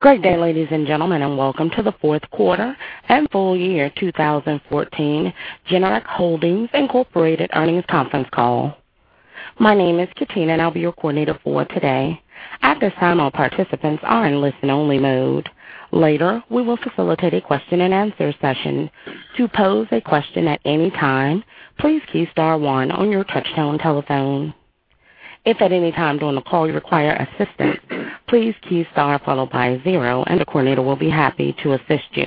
Great day, ladies and gentlemen, welcome to the Fourth Quarter and Full Year 2014 Generac Holdings Inc. Earnings Conference Call. My name is Katina, and I'll be your coordinator for today. At this time, all participants are in listen-only mode. Later, we will facilitate a question and answer session. To pose a question at any time, please key star one on your touchtone telephone. If at any time during the call you require assistance, please key star followed by zero, and a coordinator will be happy to assist you.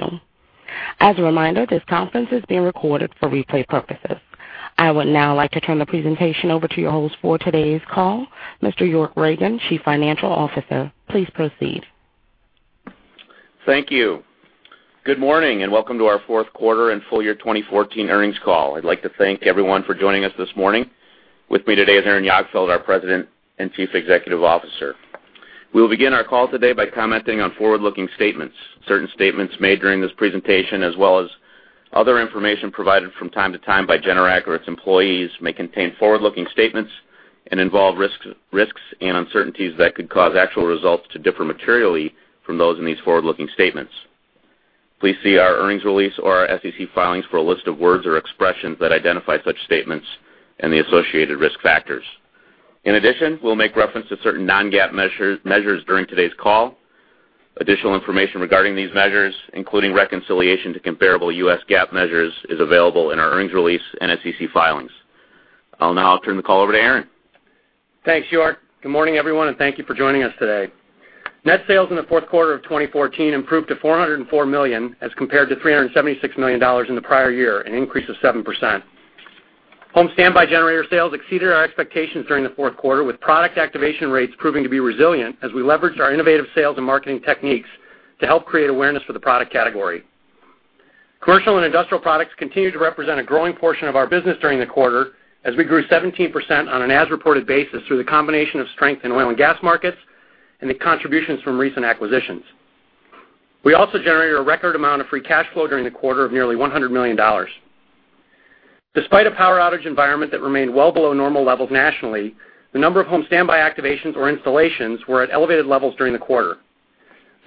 As a reminder, this conference is being recorded for replay purposes. I would now like to turn the presentation over to your host for today's call, Mr. York Ragen, Chief Financial Officer. Please proceed. Thank you. Good morning, welcome to our fourth quarter and full year 2014 earnings call. I'd like to thank everyone for joining us this morning. With me today is Aaron Jagdfeld, our President and Chief Executive Officer. We will begin our call today by commenting on forward-looking statements. Certain statements made during this presentation as well as other information provided from time to time by Generac or its employees may contain forward-looking statements and involve risks and uncertainties that could cause actual results to differ materially from those in these forward-looking statements. Please see our earnings release or our SEC filings for a list of words or expressions that identify such statements and the associated risk factors. In addition, we'll make reference to certain non-GAAP measures during today's call. Additional information regarding these measures, including reconciliation to comparable U.S. GAAP measures, is available in our earnings release and SEC filings. I'll now turn the call over to Aaron. Thanks, York. Good morning, everyone, thank you for joining us today. Net sales in the fourth quarter of 2014 improved to $404 million as compared to $376 million in the prior year, an increase of 7%. Home standby generator sales exceeded our expectations during the fourth quarter, with product activation rates proving to be resilient as we leveraged our innovative sales and marketing techniques to help create awareness for the product category. Commercial and industrial products continued to represent a growing portion of our business during the quarter as we grew 17% on an as-reported basis through the combination of strength in oil and gas markets and the contributions from recent acquisitions. We also generated a record amount of free cash flow during the quarter of nearly $100 million. Despite a power outage environment that remained well below normal levels nationally, the number of home standby activations or installations were at elevated levels during the quarter.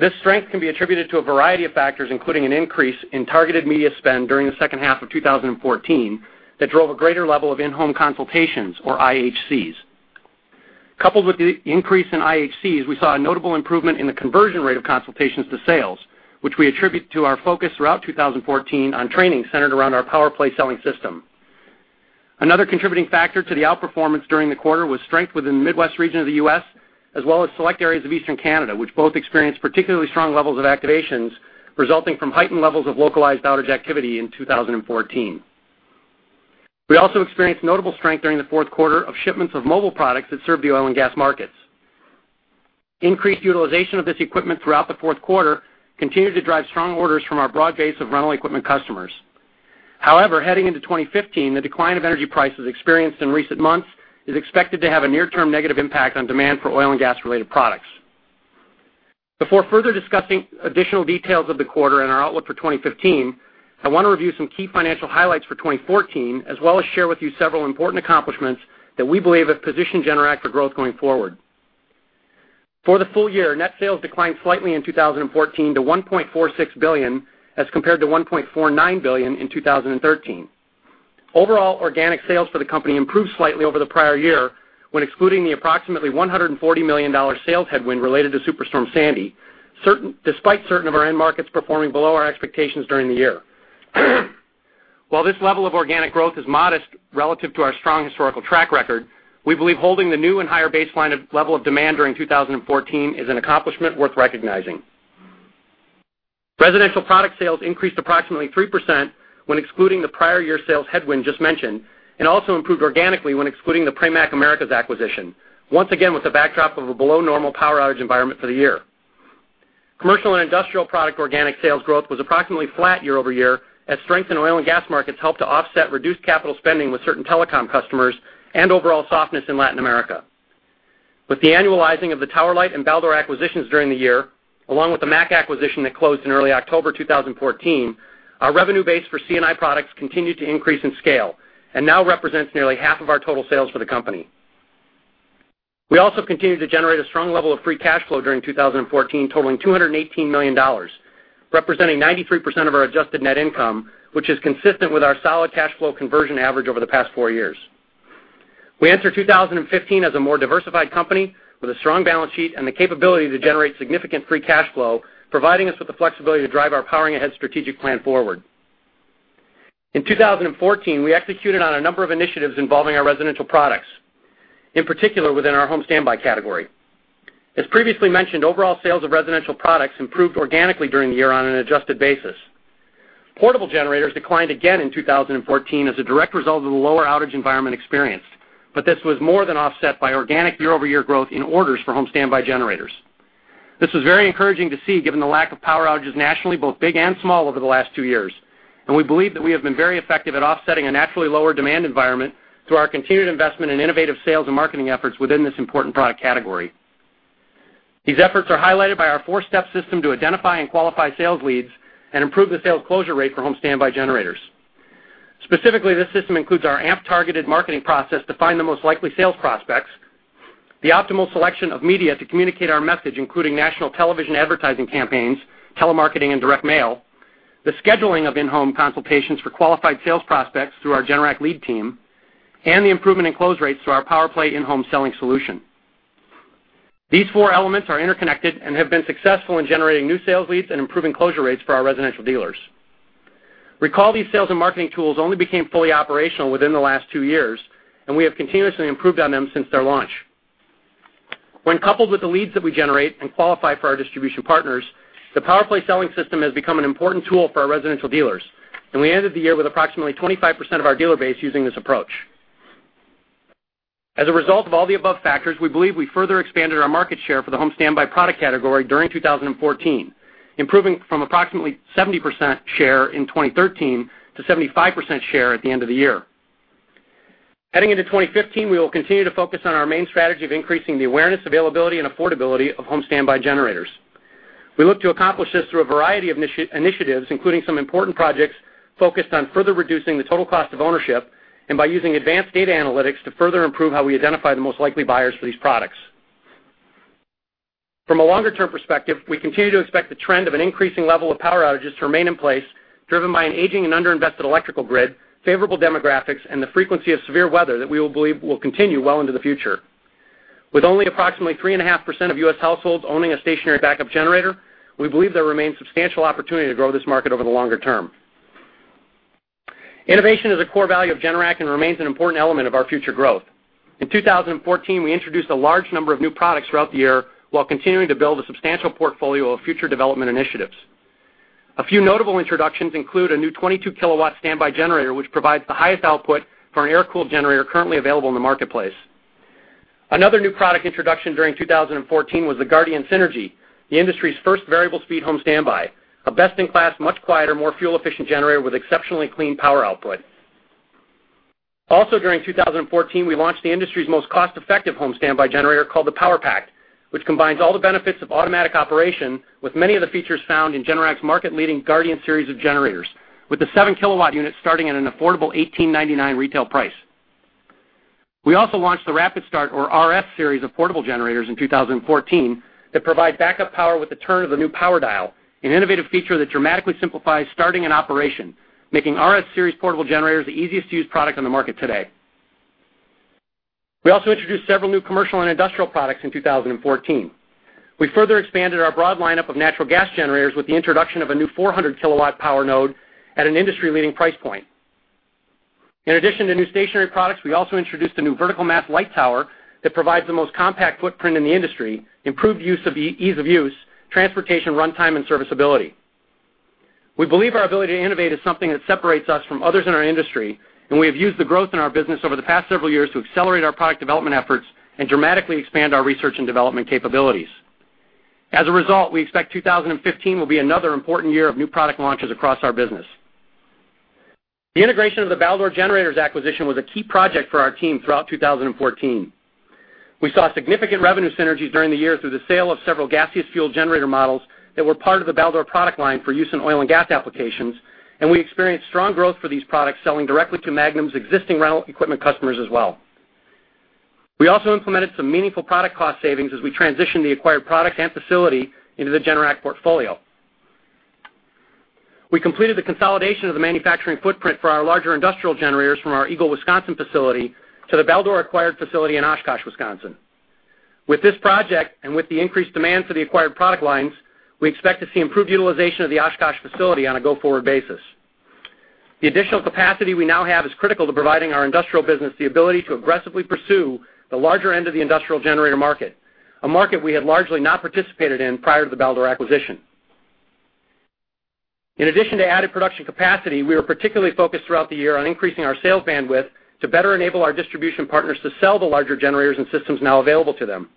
This strength can be attributed to a variety of factors, including an increase in targeted media spend during the second half of 2014 that drove a greater level of in-home consultations or IHCs. Coupled with the increase in IHCs, we saw a notable improvement in the conversion rate of consultations to sales, which we attribute to our focus throughout 2014 on training centered around our PowerPlay selling system. Another contributing factor to the outperformance during the quarter was strength within the Midwest region of the U.S. as well as select areas of eastern Canada, which both experienced particularly strong levels of activations resulting from heightened levels of localized outage activity in 2014. We also experienced notable strength during the fourth quarter of shipments of mobile products that serve the oil and gas markets. Increased utilization of this equipment throughout the fourth quarter continued to drive strong orders from our broad base of rental equipment customers. However, heading into 2015, the decline of energy prices experienced in recent months is expected to have a near-term negative impact on demand for oil and gas-related products. Before further discussing additional details of the quarter and our outlook for 2015, I want to review some key financial highlights for 2014, as well as share with you several important accomplishments that we believe have positioned Generac for growth going forward. For the full year, net sales declined slightly in 2014 to $1.46 billion as compared to $1.49 billion in 2013. Overall, organic sales for the company improved slightly over the prior year when excluding the approximately $140 million sales headwind related to Superstorm Sandy, despite certain of our end markets performing below our expectations during the year. While this level of organic growth is modest relative to our strong historical track record, we believe holding the new and higher baseline of level of demand during 2014 is an accomplishment worth recognizing. Residential product sales increased approximately 3% when excluding the prior year sales headwind just mentioned, and also improved organically when excluding the Pramac America acquisition. Once again, with the backdrop of a below normal power outage environment for the year. Commercial and industrial product organic sales growth was approximately flat year-over-year as strength in oil and gas markets helped to offset reduced capital spending with certain telecom customers and overall softness in Latin America. With the annualizing of the Tower Light and Baldor acquisitions during the year, along with the MAC acquisition that closed in early October 2014, our revenue base for C&I products continued to increase in scale and now represents nearly half of our total sales for the company. We also continued to generate a strong level of free cash flow during 2014, totaling $218 million, representing 93% of our adjusted net income, which is consistent with our solid cash flow conversion average over the past four years. We enter 2015 as a more diversified company with a strong balance sheet and the capability to generate significant free cash flow, providing us with the flexibility to drive our Powering Ahead strategic plan forward. In 2014, we executed on a number of initiatives involving our residential products, in particular within our home standby category. As previously mentioned, overall sales of residential products improved organically during the year on an adjusted basis. Portable generators declined again in 2014 as a direct result of the lower outage environment experienced. This was more than offset by organic year-over-year growth in orders for home standby generators. This was very encouraging to see, given the lack of power outages nationally, both big and small, over the last two years. We believe that we have been very effective at offsetting a naturally lower demand environment through our continued investment in innovative sales and marketing efforts within this important product category. These efforts are highlighted by our four-step system to identify and qualify sales leads and improve the sales closure rate for home standby generators. Specifically, this system includes our AMP targeted marketing process to find the most likely sales prospects, the optimal selection of media to communicate our message, including national television advertising campaigns, telemarketing, and direct mail, the scheduling of in-home consultations for qualified sales prospects through our Generac Lead Team, and the improvement in close rates through our PowerPlay in-home selling solution. These four elements are interconnected and have been successful in generating new sales leads and improving closure rates for our residential dealers. Recall these sales and marketing tools only became fully operational within the last two years, and we have continuously improved on them since their launch. When coupled with the leads that we generate and qualify for our distribution partners, the PowerPlay selling system has become an important tool for our residential dealers. We ended the year with approximately 25% of our dealer base using this approach. As a result of all the above factors, we believe we further expanded our market share for the home standby product category during 2014, improving from approximately 70% share in 2013 to 75% share at the end of the year. Heading into 2015, we will continue to focus on our main strategy of increasing the awareness, availability, and affordability of home standby generators. We look to accomplish this through a variety of initiatives, including some important projects focused on further reducing the total cost of ownership and by using advanced data analytics to further improve how we identify the most likely buyers for these products. From a longer-term perspective, we continue to expect the trend of an increasing level of power outages to remain in place, driven by an aging and underinvested electrical grid, favorable demographics, and the frequency of severe weather that we believe will continue well into the future. With only approximately 3.5% of U.S. households owning a stationary backup generator, we believe there remains substantial opportunity to grow this market over the longer-term. Innovation is a core value of Generac and remains an important element of our future growth. In 2014, we introduced a large number of new products throughout the year while continuing to build a substantial portfolio of future development initiatives. A few notable introductions include a new 22 kW standby generator, which provides the highest output for an air-cooled generator currently available in the marketplace. Another new product introduction during 2014 was the Guardian Synergy, the industry's first variable speed home standby. A best-in-class, much quieter, more fuel-efficient generator with exceptionally clean power output. Also during 2014, we launched the industry's most cost-effective home standby generator called the PowerPact, which combines all the benefits of automatic operation with many of the features found in Generac's market leading Guardian series of generators, with the 7 kW unit starting at an affordable $1,899 retail price. We also launched the Rapid Start, or RS Series, of portable generators in 2014 that provide backup power with the turn of the new PowerDial, an innovative feature that dramatically simplifies starting an operation, making RS Series portable generators the easiest to use product on the market today. We also introduced several new commercial and industrial products in 2014. We further expanded our broad lineup of natural gas generators with the introduction of a new 400 kW power node at an industry leading price point. In addition to new stationary products, we also introduced a new vertical mast light tower that provides the most compact footprint in the industry, improved ease of use, transportation runtime, and serviceability. We believe our ability to innovate is something that separates us from others in our industry, and we have used the growth in our business over the past several years to accelerate our product development efforts and dramatically expand our research and development capabilities. As a result, we expect 2015 will be another important year of new product launches across our business. The integration of the Baldor generators acquisition was a key project for our team throughout 2014. We saw significant revenue synergies during the year through the sale of several gaseous fuel generator models that were part of the Baldor product line for use in oil and gas applications, and we experienced strong growth for these products selling directly to Magnum's existing rental equipment customers as well. We also implemented some meaningful product cost savings as we transitioned the acquired product and facility into the Generac portfolio. We completed the consolidation of the manufacturing footprint for our larger industrial generators from our Eagle, Wisconsin facility to the Baldor acquired facility in Oshkosh, Wisconsin. With this project, and with the increased demand for the acquired product lines, we expect to see improved utilization of the Oshkosh facility on a go-forward basis. The additional capacity we now have is critical to providing our industrial business the ability to aggressively pursue the larger end of the industrial generator market, a market we had largely not participated in prior to the Baldor acquisition. In addition to added production capacity, we were particularly focused throughout the year on increasing our sales bandwidth to better enable our distribution partners to sell the larger generators and systems now available to them.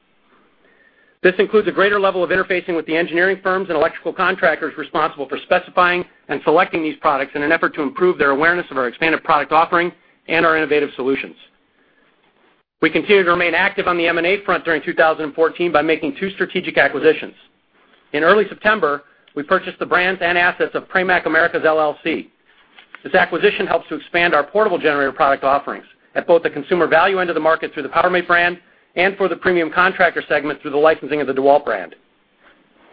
This includes a greater level of interfacing with the engineering firms and electrical contractors responsible for specifying and selecting these products in an effort to improve their awareness of our expanded product offering and our innovative solutions. We continued to remain active on the M&A front during 2014 by making two strategic acquisitions. In early September, we purchased the brands and assets of Pramac Americas LLC. This acquisition helps to expand our portable generator product offerings at both the consumer value end of the market through the PowerMate brand and for the premium contractor segment through the licensing of the DeWalt brand.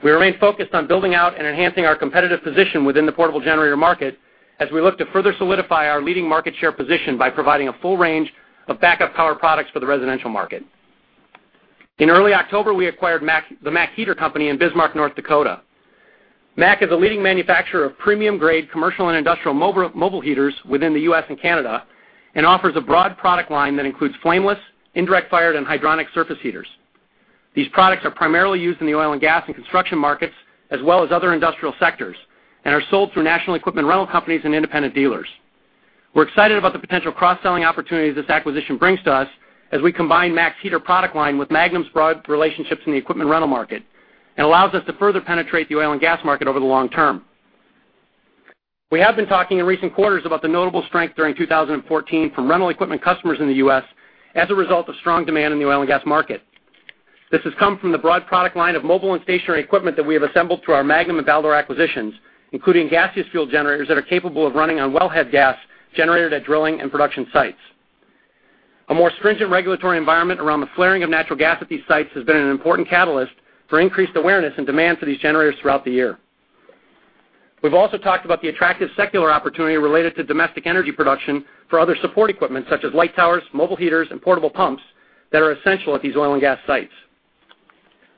We remain focused on building out and enhancing our competitive position within the portable generator market as we look to further solidify our leading market share position by providing a full range of backup power products for the residential market. In early October, we acquired the MAC Heater company in Bismarck, North Dakota. MAC is a leading manufacturer of premium grade commercial and industrial mobile heaters within the U.S. and Canada and offers a broad product line that includes flameless, indirect fired, and hydronic surface heaters. These products are primarily used in the oil and gas and construction markets as well as other industrial sectors and are sold through national equipment rental companies and independent dealers. We're excited about the potential cross-selling opportunities this acquisition brings to us as we combine MAC Heater product line with Magnum's broad relationships in the equipment rental market and allows us to further penetrate the oil and gas market over the long-term. We have been talking in recent quarters about the notable strength during 2014 from rental equipment customers in the U.S. as a result of strong demand in the oil and gas market. This has come from the broad product line of mobile and stationary equipment that we have assembled through our Magnum and Baldor acquisitions, including gaseous fuel generators that are capable of running on wellhead gas generated at drilling and production sites. A more stringent regulatory environment around the flaring of natural gas at these sites has been an important catalyst for increased awareness and demand for these generators throughout the year. We've also talked about the attractive secular opportunity related to domestic energy production for other support equipment such as light towers, mobile heaters and portable pumps that are essential at these oil and gas sites.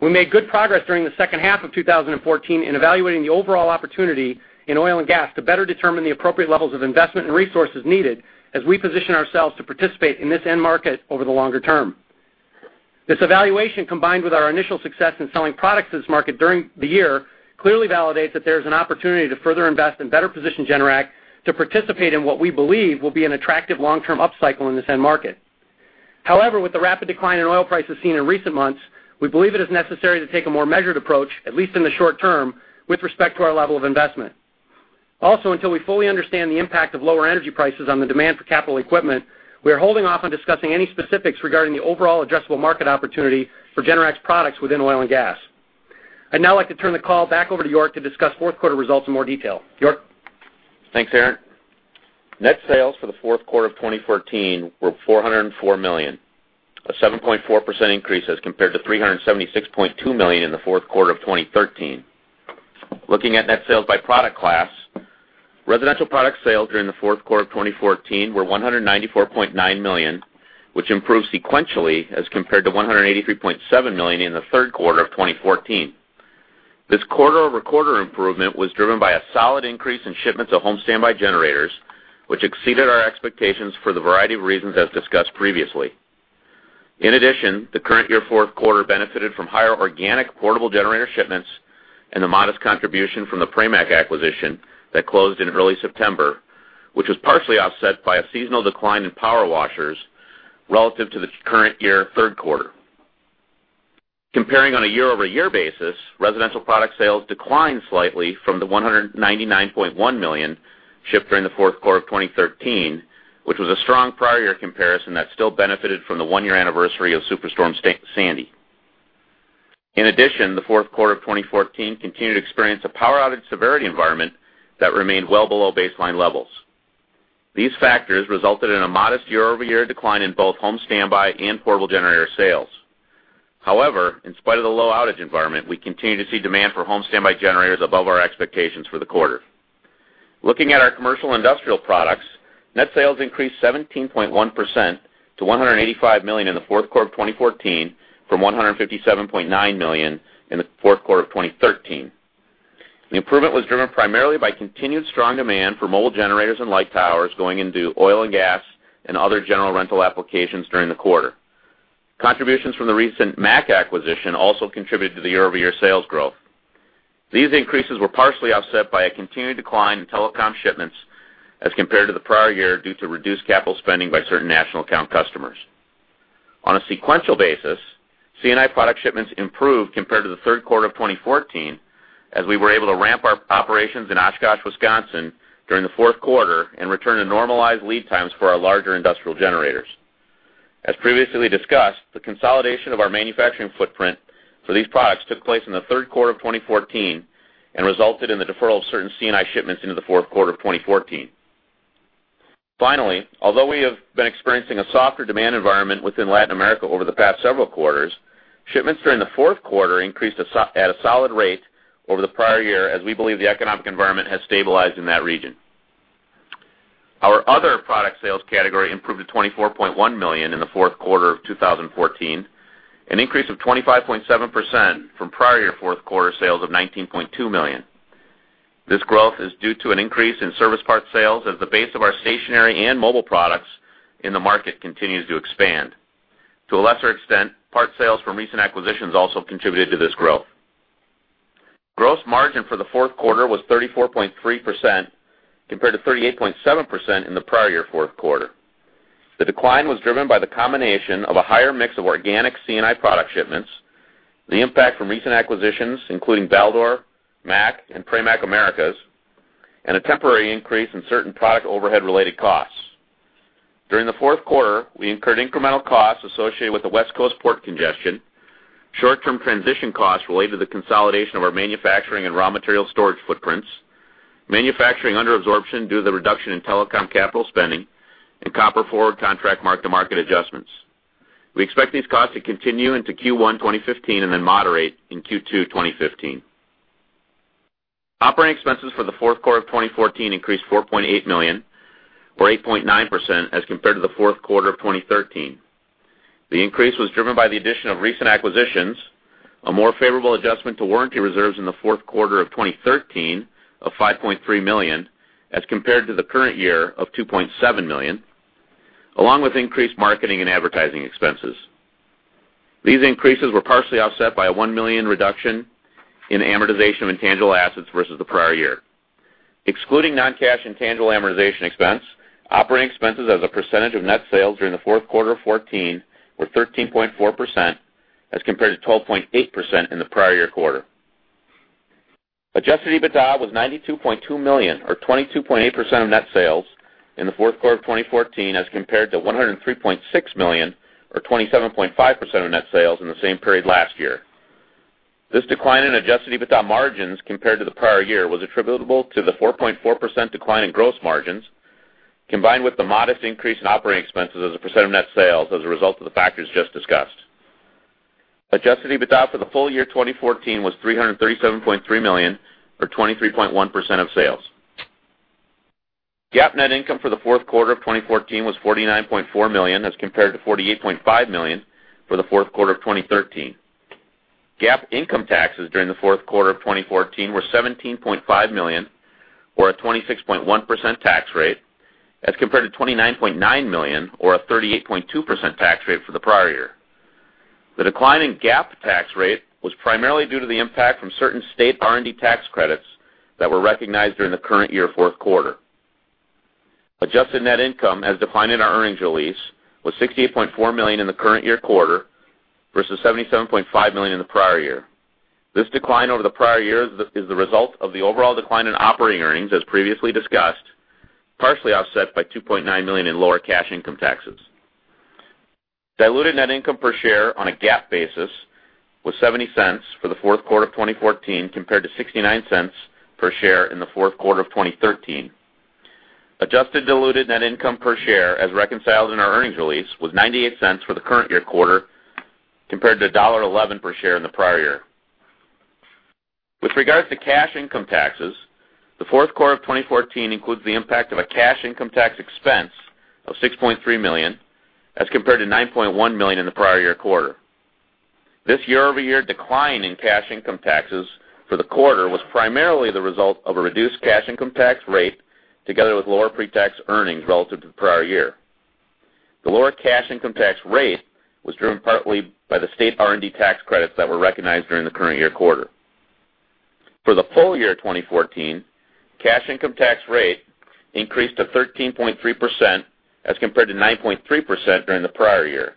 We made good progress during the second half of 2014 in evaluating the overall opportunity in oil and gas to better determine the appropriate levels of investment and resources needed as we position ourselves to participate in this end market over the longer-term. This evaluation, combined with our initial success in selling products to this market during the year, clearly validates that there's an opportunity to further invest and better position Generac to participate in what we believe will be an attractive long-term upcycle in this end market. With the rapid decline in oil prices seen in recent months, we believe it is necessary to take a more measured approach, at least in the short-term, with respect to our level of investment. Until we fully understand the impact of lower energy prices on the demand for capital equipment, we are holding off on discussing any specifics regarding the overall addressable market opportunity for Generac's products within oil and gas. I'd now like to turn the call back over to York to discuss fourth quarter results in more detail. York? Thanks, Aaron. Net sales for the fourth quarter of 2014 were $404 million, a 7.4% increase as compared to $376.2 million in the fourth quarter of 2013. Looking at net sales by product class, residential product sales during the fourth quarter of 2014 were $194.9 million, which improved sequentially as compared to $183.7 million in the third quarter of 2014. This quarter-over-quarter improvement was driven by a solid increase in shipments of home standby generators, which exceeded our expectations for a variety of reasons as discussed previously. In addition, the current year fourth quarter benefited from higher organic portable generator shipments and the modest contribution from the Pramac acquisition that closed in early September, which was partially offset by a seasonal decline in power washers relative to the current year third quarter. Comparing on a year-over-year basis, residential product sales declined slightly from the $199.1 million shipped during the fourth quarter of 2013, which was a strong prior year comparison that still benefited from the one-year anniversary of Superstorm Sandy. In addition, the fourth quarter of 2014 continued to experience a power outage severity environment that remained well below baseline levels. These factors resulted in a modest year-over-year decline in both home standby and portable generator sales. However, in spite of the low outage environment, we continue to see demand for home standby generators above our expectations for the quarter. Looking at our commercial industrial products, net sales increased 17.1% to $185 million in the fourth quarter of 2014 from $157.9 million in the fourth quarter of 2013. The improvement was driven primarily by continued strong demand for mobile generators and light towers going into oil and gas and other general rental applications during the quarter. Contributions from the recent MAC acquisition also contributed to the year-over-year sales growth. These increases were partially offset by a continued decline in telecom shipments as compared to the prior year, due to reduced capital spending by certain national account customers. On a sequential basis, C&I product shipments improved compared to the third quarter of 2014, as we were able to ramp our operations in Oshkosh, Wisconsin during the fourth quarter and return to normalized lead times for our larger industrial generators. As previously discussed, the consolidation of our manufacturing footprint for these products took place in the third quarter of 2014 and resulted in the deferral of certain C&I shipments into the fourth quarter of 2014. Finally, although we have been experiencing a softer demand environment within Latin America over the past several quarters, shipments during the fourth quarter increased at a solid rate over the prior year, as we believe the economic environment has stabilized in that region. Our other product sales category improved to $24.1 million in the fourth quarter of 2014, an increase of 25.7% from prior year fourth quarter sales of $19.2 million. This growth is due to an increase in service part sales as the base of our stationary and mobile products in the market continues to expand. To a lesser extent, part sales from recent acquisitions also contributed to this growth. Gross margin for the fourth quarter was 34.3%, compared to 38.7% in the prior year fourth quarter. The decline was driven by the combination of a higher mix of organic C&I product shipments, the impact from recent acquisitions, including Baldor, MAC and Pramac America, and a temporary increase in certain product overhead related costs. During the fourth quarter, we incurred incremental costs associated with the West Coast port congestion, short-term transition costs related to the consolidation of our manufacturing and raw material storage footprints, manufacturing under absorption due to the reduction in telecom capital spending, and copper forward contract mark-to-market adjustments. We expect these costs to continue into Q1 2015 and then moderate in Q2 2015. Operating expenses for the fourth quarter of 2014 increased $4.8 million, or 8.9% as compared to the fourth quarter of 2013. The increase was driven by the addition of recent acquisitions, a more favorable adjustment to warranty reserves in the fourth quarter of 2013 of $5.3 million, as compared to the current year of $2.7 million, along with increased marketing and advertising expenses. These increases were partially offset by a $1 million reduction in amortization of intangible assets versus the prior year. Excluding non-cash intangible amortization expense, operating expenses as a percentage of net sales during the fourth quarter of 2014 were 13.4%, as compared to 12.8% in the prior year quarter. Adjusted EBITDA was $92.2 million, or 22.8% of net sales in the fourth quarter of 2014, as compared to $103.6 million, or 27.5% of net sales in the same period last year. This decline in adjusted EBITDA margins compared to the prior year was attributable to the 4.4% decline in gross margins, combined with the modest increase in operating expenses as a percent of net sales as a result of the factors just discussed. Adjusted EBITDA for the full year 2014 was $337.3 million, or 23.1% of sales. GAAP net income for the fourth quarter of 2014 was $49.4 million, as compared to $48.5 million for the fourth quarter of 2013. GAAP income taxes during the fourth quarter of 2014 were $17.5 million, or a 26.1% tax rate, as compared to $29.9 million, or a 38.2% tax rate for the prior year. The decline in GAAP tax rate was primarily due to the impact from certain state R&D tax credits that were recognized during the current year fourth quarter. Adjusted net income, as defined in our earnings release, was $68.4 million in the current year quarter versus $77.5 million in the prior year. This decline over the prior year is the result of the overall decline in operating earnings, as previously discussed, partially offset by $2.9 million in lower cash income taxes. Diluted net income per share on a GAAP basis was $0.70 for the fourth quarter of 2014, compared to $0.69 per share in the fourth quarter of 2013. Adjusted diluted net income per share, as reconciled in our earnings release, was $0.98 for the current year quarter, compared to $1.11 per share in the prior year. With regard to cash income taxes, the fourth quarter of 2014 includes the impact of a cash income tax expense of $6.3 million, as compared to $9.1 million in the prior year quarter. This year-over-year decline in cash income taxes for the quarter was primarily the result of a reduced cash income tax rate together with lower pre-tax earnings relative to the prior year. The lower cash income tax rate was driven partly by the state R&D tax credits that were recognized during the current year quarter. For the full year 2014, cash income tax rate increased to 13.3% as compared to 9.3% during the prior year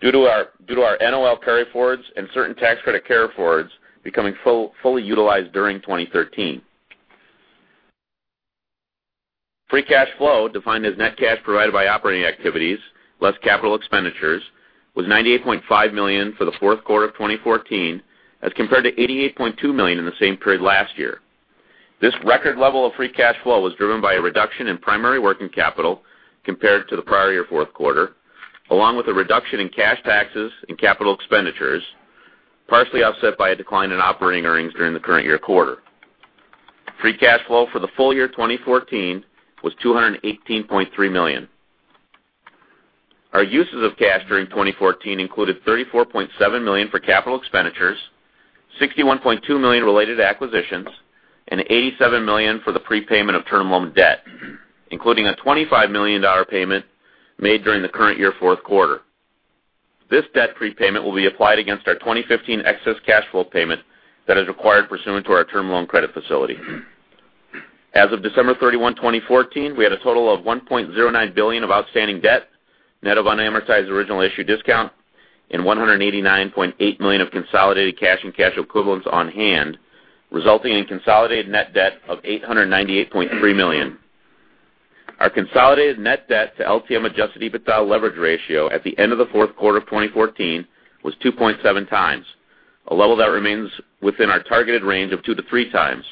due to our NOL carryforwards and certain tax credit carryforwards becoming fully utilized during 2013. Free cash flow, defined as net cash provided by operating activities, less capital expenditures, was $98.5 million for the fourth quarter of 2014 as compared to $88.2 million in the same period last year. This record level of free cash flow was driven by a reduction in primary working capital compared to the prior year fourth quarter, along with a reduction in cash taxes and capital expenditures, partially offset by a decline in operating earnings during the current year quarter. Free cash flow for the full year 2014 was $218.3 million. Our uses of cash during 2014 included $34.7 million for capital expenditures, $61.2 million related to acquisitions, and $87 million for the prepayment of term loan debt, including a $25 million payment made during the current year fourth quarter. This debt prepayment will be applied against our 2015 excess cash flow payment that is required pursuant to our term loan credit facility. As of December 31, 2014, we had a total of $1.09 billion of outstanding debt, net of unamortized original issue discount and $189.8 million of consolidated cash and cash equivalents on hand, resulting in consolidated net debt of $898.3 million. Our consolidated net debt to LTM adjusted EBITDA leverage ratio at the end of the fourth quarter of 2014 was 2.7x, a level that remains within our targeted range of 2x-3x.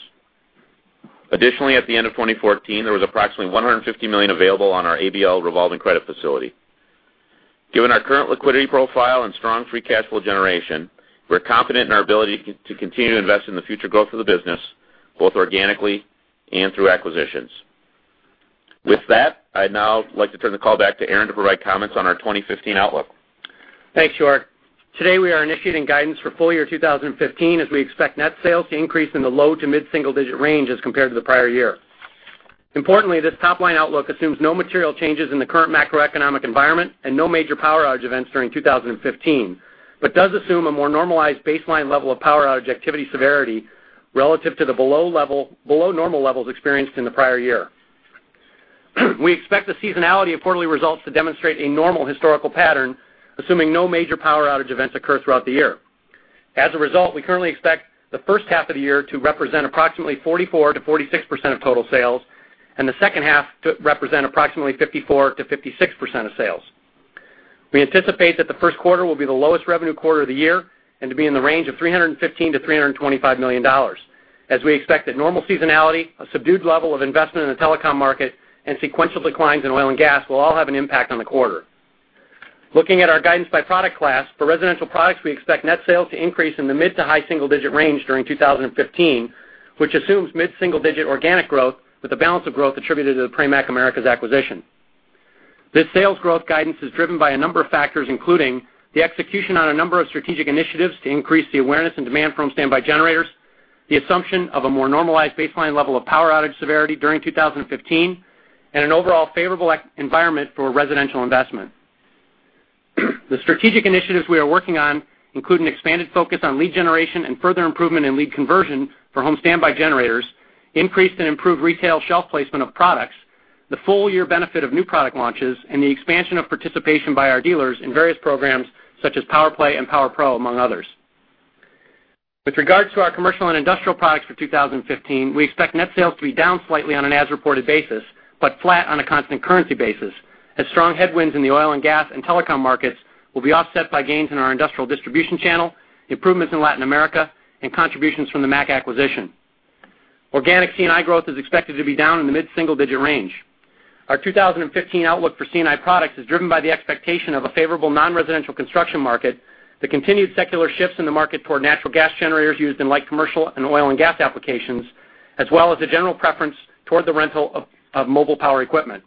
Additionally, at the end of 2014, there was approximately $150 million available on our ABL revolving credit facility. Given our current liquidity profile and strong free cash flow generation, we're confident in our ability to continue to invest in the future growth of the business, both organically and through acquisitions. With that, I'd now like to turn the call back to Aaron to provide comments on our 2015 outlook. Thanks, York. Today, we are initiating guidance for full year 2015 as we expect net sales to increase in the low to mid-single digit range as compared to the prior year. Importantly, this top-line outlook assumes no material changes in the current macroeconomic environment and no major power outage events during 2015, but does assume a more normalized baseline level of power outage activity severity relative to the below normal levels experienced in the prior year. We expect the seasonality of quarterly results to demonstrate a normal historical pattern, assuming no major power outage events occur throughout the year. As a result, we currently expect the first half of the year to represent approximately 44%-46% of total sales, and the second half to represent approximately 54%-56% of sales. We anticipate that the first quarter will be the lowest revenue quarter of the year and to be in the range of $315 million-$325 million, as we expect that normal seasonality, a subdued level of investment in the telecom market, and sequential declines in oil and gas will all have an impact on the quarter. Looking at our guidance by product class, for residential products, we expect net sales to increase in the mid-to-high single-digit range during 2015, which assumes mid-single-digit organic growth with the balance of growth attributed to the Pramac America acquisition. This sales growth guidance is driven by a number of factors, including the execution on a number of strategic initiatives to increase the awareness and demand for home standby generators, the assumption of a more normalized baseline level of power outage severity during 2015, and an overall favorable environment for residential investment. The strategic initiatives we are working on include an expanded focus on lead generation and further improvement in lead conversion for home standby generators, increased and improved retail shelf placement of products. The full year benefit of new product launches and the expansion of participation by our dealers in various programs such as PowerPlay and PowerPro, among others. With regards to our commercial and industrial products for 2015, we expect net sales to be down slightly on an as-reported basis, but flat on a constant currency basis, as strong headwinds in the oil and gas and telecom markets will be offset by gains in our industrial distribution channel, improvements in Latin America, and contributions from the MAC acquisition. Organic C&I growth is expected to be down in the mid-single-digit range. Our 2015 outlook for C&I products is driven by the expectation of a favorable non-residential construction market, the continued secular shifts in the market toward natural gas generators used in light commercial and oil and gas applications, as well as a general preference toward the rental of mobile power equipment.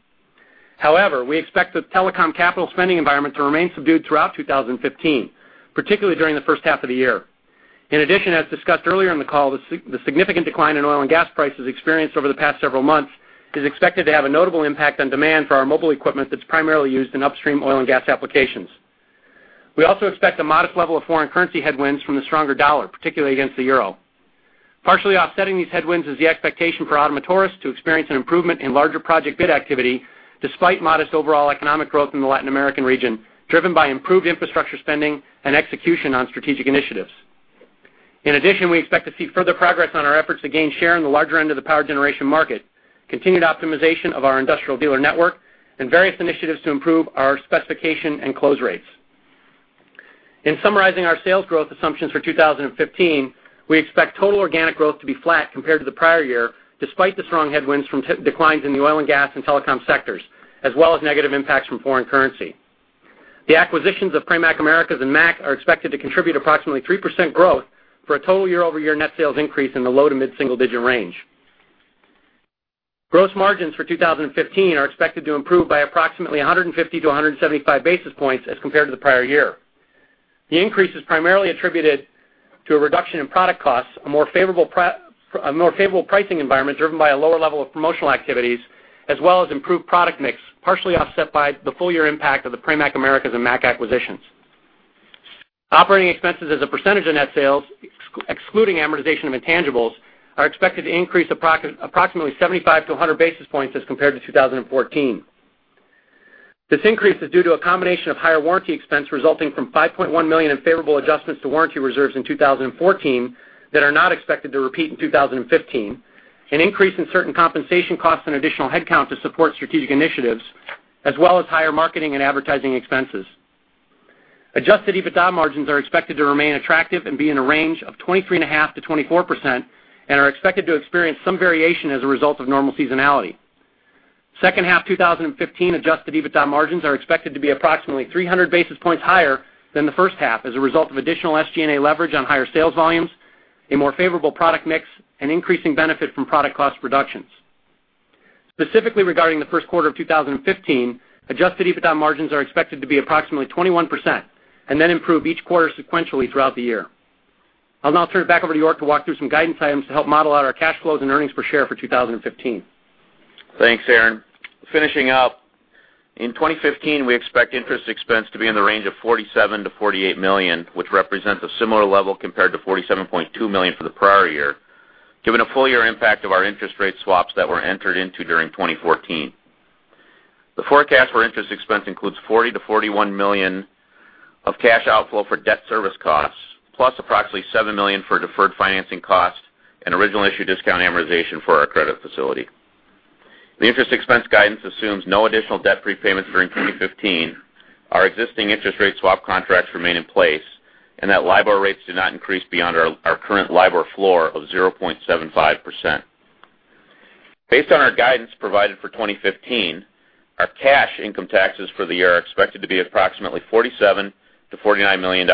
However, we expect the telecom capital spending environment to remain subdued throughout 2015, particularly during the first half of the year. In addition, as discussed earlier in the call, the significant decline in oil and gas prices experienced over the past several months is expected to have a notable impact on demand for our mobile equipment that's primarily used in upstream oil and gas applications. We also expect a modest level of foreign currency headwinds from the stronger dollar, particularly against the euro. Partially offsetting these headwinds is the expectation for Ottomotores to experience an improvement in larger project bid activity, despite modest overall economic growth in the Latin American region, driven by improved infrastructure spending and execution on strategic initiatives. In addition, we expect to see further progress on our efforts to gain share in the larger end of the power generation market, continued optimization of our industrial dealer network, and various initiatives to improve our specification and close rates. In summarizing our sales growth assumptions for 2015, we expect total organic growth to be flat compared to the prior year, despite the strong headwinds from declines in the oil and gas and telecom sectors, as well as negative impacts from foreign currency. The acquisitions of Pramac America and MAC are expected to contribute approximately 3% growth for a total year-over-year net sales increase in the low to mid-single digit range. Gross margins for 2015 are expected to improve by approximately 150-175 basis points as compared to the prior year. The increase is primarily attributed to a reduction in product costs, a more favorable pricing environment driven by a lower level of promotional activities, as well as improved product mix, partially offset by the full year impact of the Pramac America and MAC acquisitions. Operating expenses as a percentage of net sales, excluding amortization of intangibles, are expected to increase approximately 75-100 basis points as compared to 2014. This increase is due to a combination of higher warranty expense resulting from $5.1 million in favorable adjustments to warranty reserves in 2014 that are not expected to repeat in 2015. An increase in certain compensation costs and additional headcount to support strategic initiatives, as well as higher marketing and advertising expenses. Adjusted EBITDA margins are expected to remain attractive and be in a range of 23.5%-24% and are expected to experience some variation as a result of normal seasonality. Second half 2015 adjusted EBITDA margins are expected to be approximately 300 basis points higher than the first half as a result of additional SG&A leverage on higher sales volumes, a more favorable product mix, and increasing benefit from product cost reductions. Specifically regarding the first quarter of 2015, adjusted EBITDA margins are expected to be approximately 21% and then improve each quarter sequentially throughout the year. I'll now turn it back over to York to walk through some guidance items to help model out our cash flows and earnings per share for 2015. Thanks, Aaron. Finishing up, in 2015, we expect interest expense to be in the range of $47 million-$48 million, which represents a similar level compared to $47.2 million for the prior year, given a full year impact of our interest rate swaps that were entered into during 2014. The forecast for interest expense includes $40 million-$41 million of cash outflow for debt service costs, plus approximately $7 million for deferred financing costs and original issue discount amortization for our credit facility. The interest expense guidance assumes no additional debt repayments during 2015. Our existing interest rate swap contracts remain in place, and that LIBOR rates do not increase beyond our current LIBOR floor of 0.75%. Based on our guidance provided for 2015, our cash income taxes for the year are expected to be approximately $47 million-$49 million,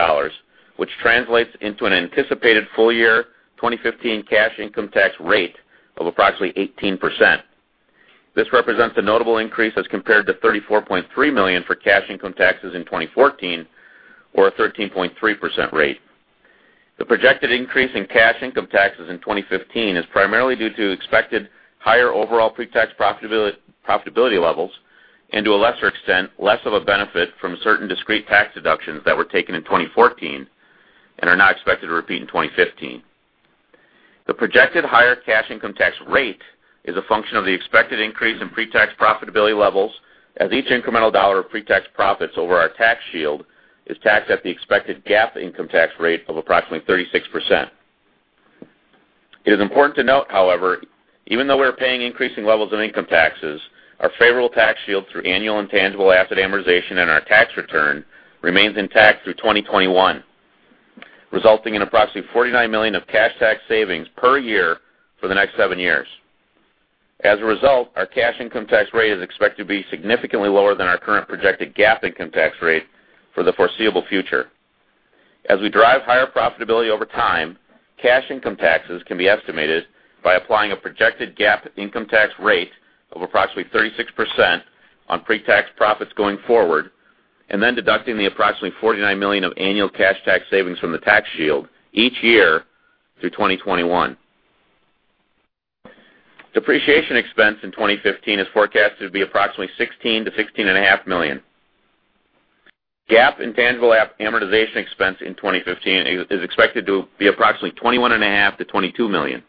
which translates into an anticipated full-year 2015 cash income tax rate of approximately 18%. This represents a notable increase as compared to $34.3 million for cash income taxes in 2014 or a 13.3% rate. The projected increase in cash income taxes in 2015 is primarily due to expected higher overall pre-tax profitability levels and, to a lesser extent, less of a benefit from certain discrete tax deductions that were taken in 2014 and are not expected to repeat in 2015. The projected higher cash income tax rate is a function of the expected increase in pre-tax profitability levels, as each incremental dollar of pre-tax profits over our tax shield is taxed at the expected GAAP income tax rate of approximately 36%. It is important to note, however, even though we are paying increasing levels of income taxes, our favorable tax shield through annual intangible asset amortization in our tax return remains intact through 2021, resulting in approximately $49 million of cash tax savings per year for the next seven years. As a result, our cash income tax rate is expected to be significantly lower than our current projected GAAP income tax rate for the foreseeable future. As we drive higher profitability over time, cash income taxes can be estimated by applying a projected GAAP income tax rate of approximately 36% on pre-tax profits going forward, and then deducting the approximately $49 million of annual cash tax savings from the tax shield each year through 2021. Depreciation expense in 2015 is forecasted to be approximately $16 million-$16.5 million. GAAP intangible amortization expense in 2015 is expected to be approximately $21.5 million-$22 million.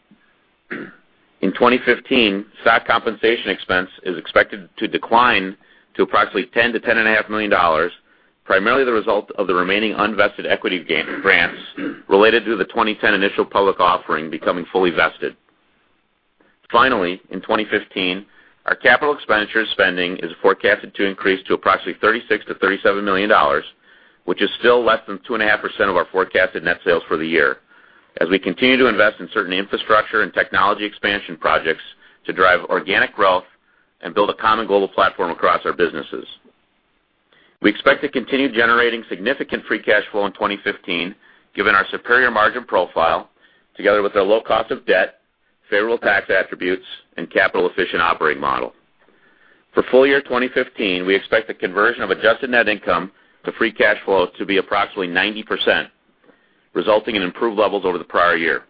In 2015, stock compensation expense is expected to decline to approximately $10 million-$10.5 million, primarily the result of the remaining unvested equity grants related to the 2010 initial public offering becoming fully vested. Finally, in 2015, our capital expenditure spending is forecasted to increase to approximately $36 million-$37 million, which is still less than 2.5% of our forecasted net sales for the year, as we continue to invest in certain infrastructure and technology expansion projects to drive organic growth and build a common global platform across our businesses. We expect to continue generating significant free cash flow in 2015, given our superior margin profile, together with our low cost of debt, favorable tax attributes, and capital-efficient operating model. For full year 2015, we expect the conversion of adjusted net income to free cash flow to be approximately 90%, resulting in improved levels over the prior year.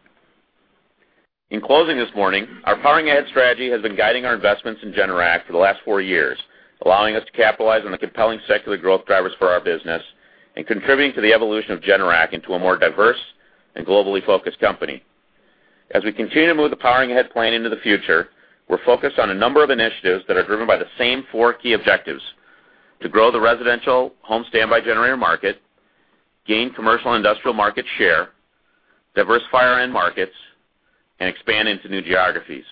In closing this morning, our Powering Ahead strategy has been guiding our investments in Generac for the last four years, allowing us to capitalize on the compelling secular growth drivers for our business and contributing to the evolution of Generac into a more diverse and globally focused company. As we continue to move the Powering Ahead plan into the future, we're focused on a number of initiatives that are driven by the same four key objectives: to grow the residential home standby generator market, gain commercial industrial market share, diversify our end markets, and expand into new geographies.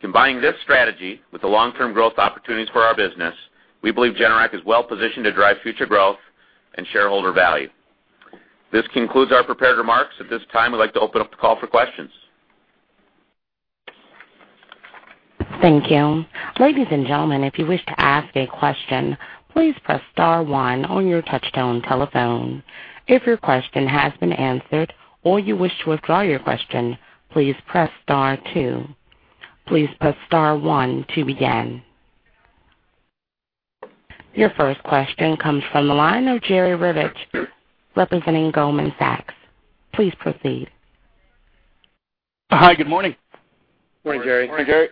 Combining this strategy with the long-term growth opportunities for our business, we believe Generac is well positioned to drive future growth and shareholder value. This concludes our prepared remarks. At this time, we'd like to open up the call for questions. Thank you. Ladies and gentlemen, if you wish to ask a question, please press star one on your touchtone telephone. If your question has been answered or you wish to withdraw your question, please press star two. Please press star one to begin. Your first question comes from the line of Jerry Revich, representing Goldman Sachs. Please proceed. Hi, good morning. Morning, Jerry.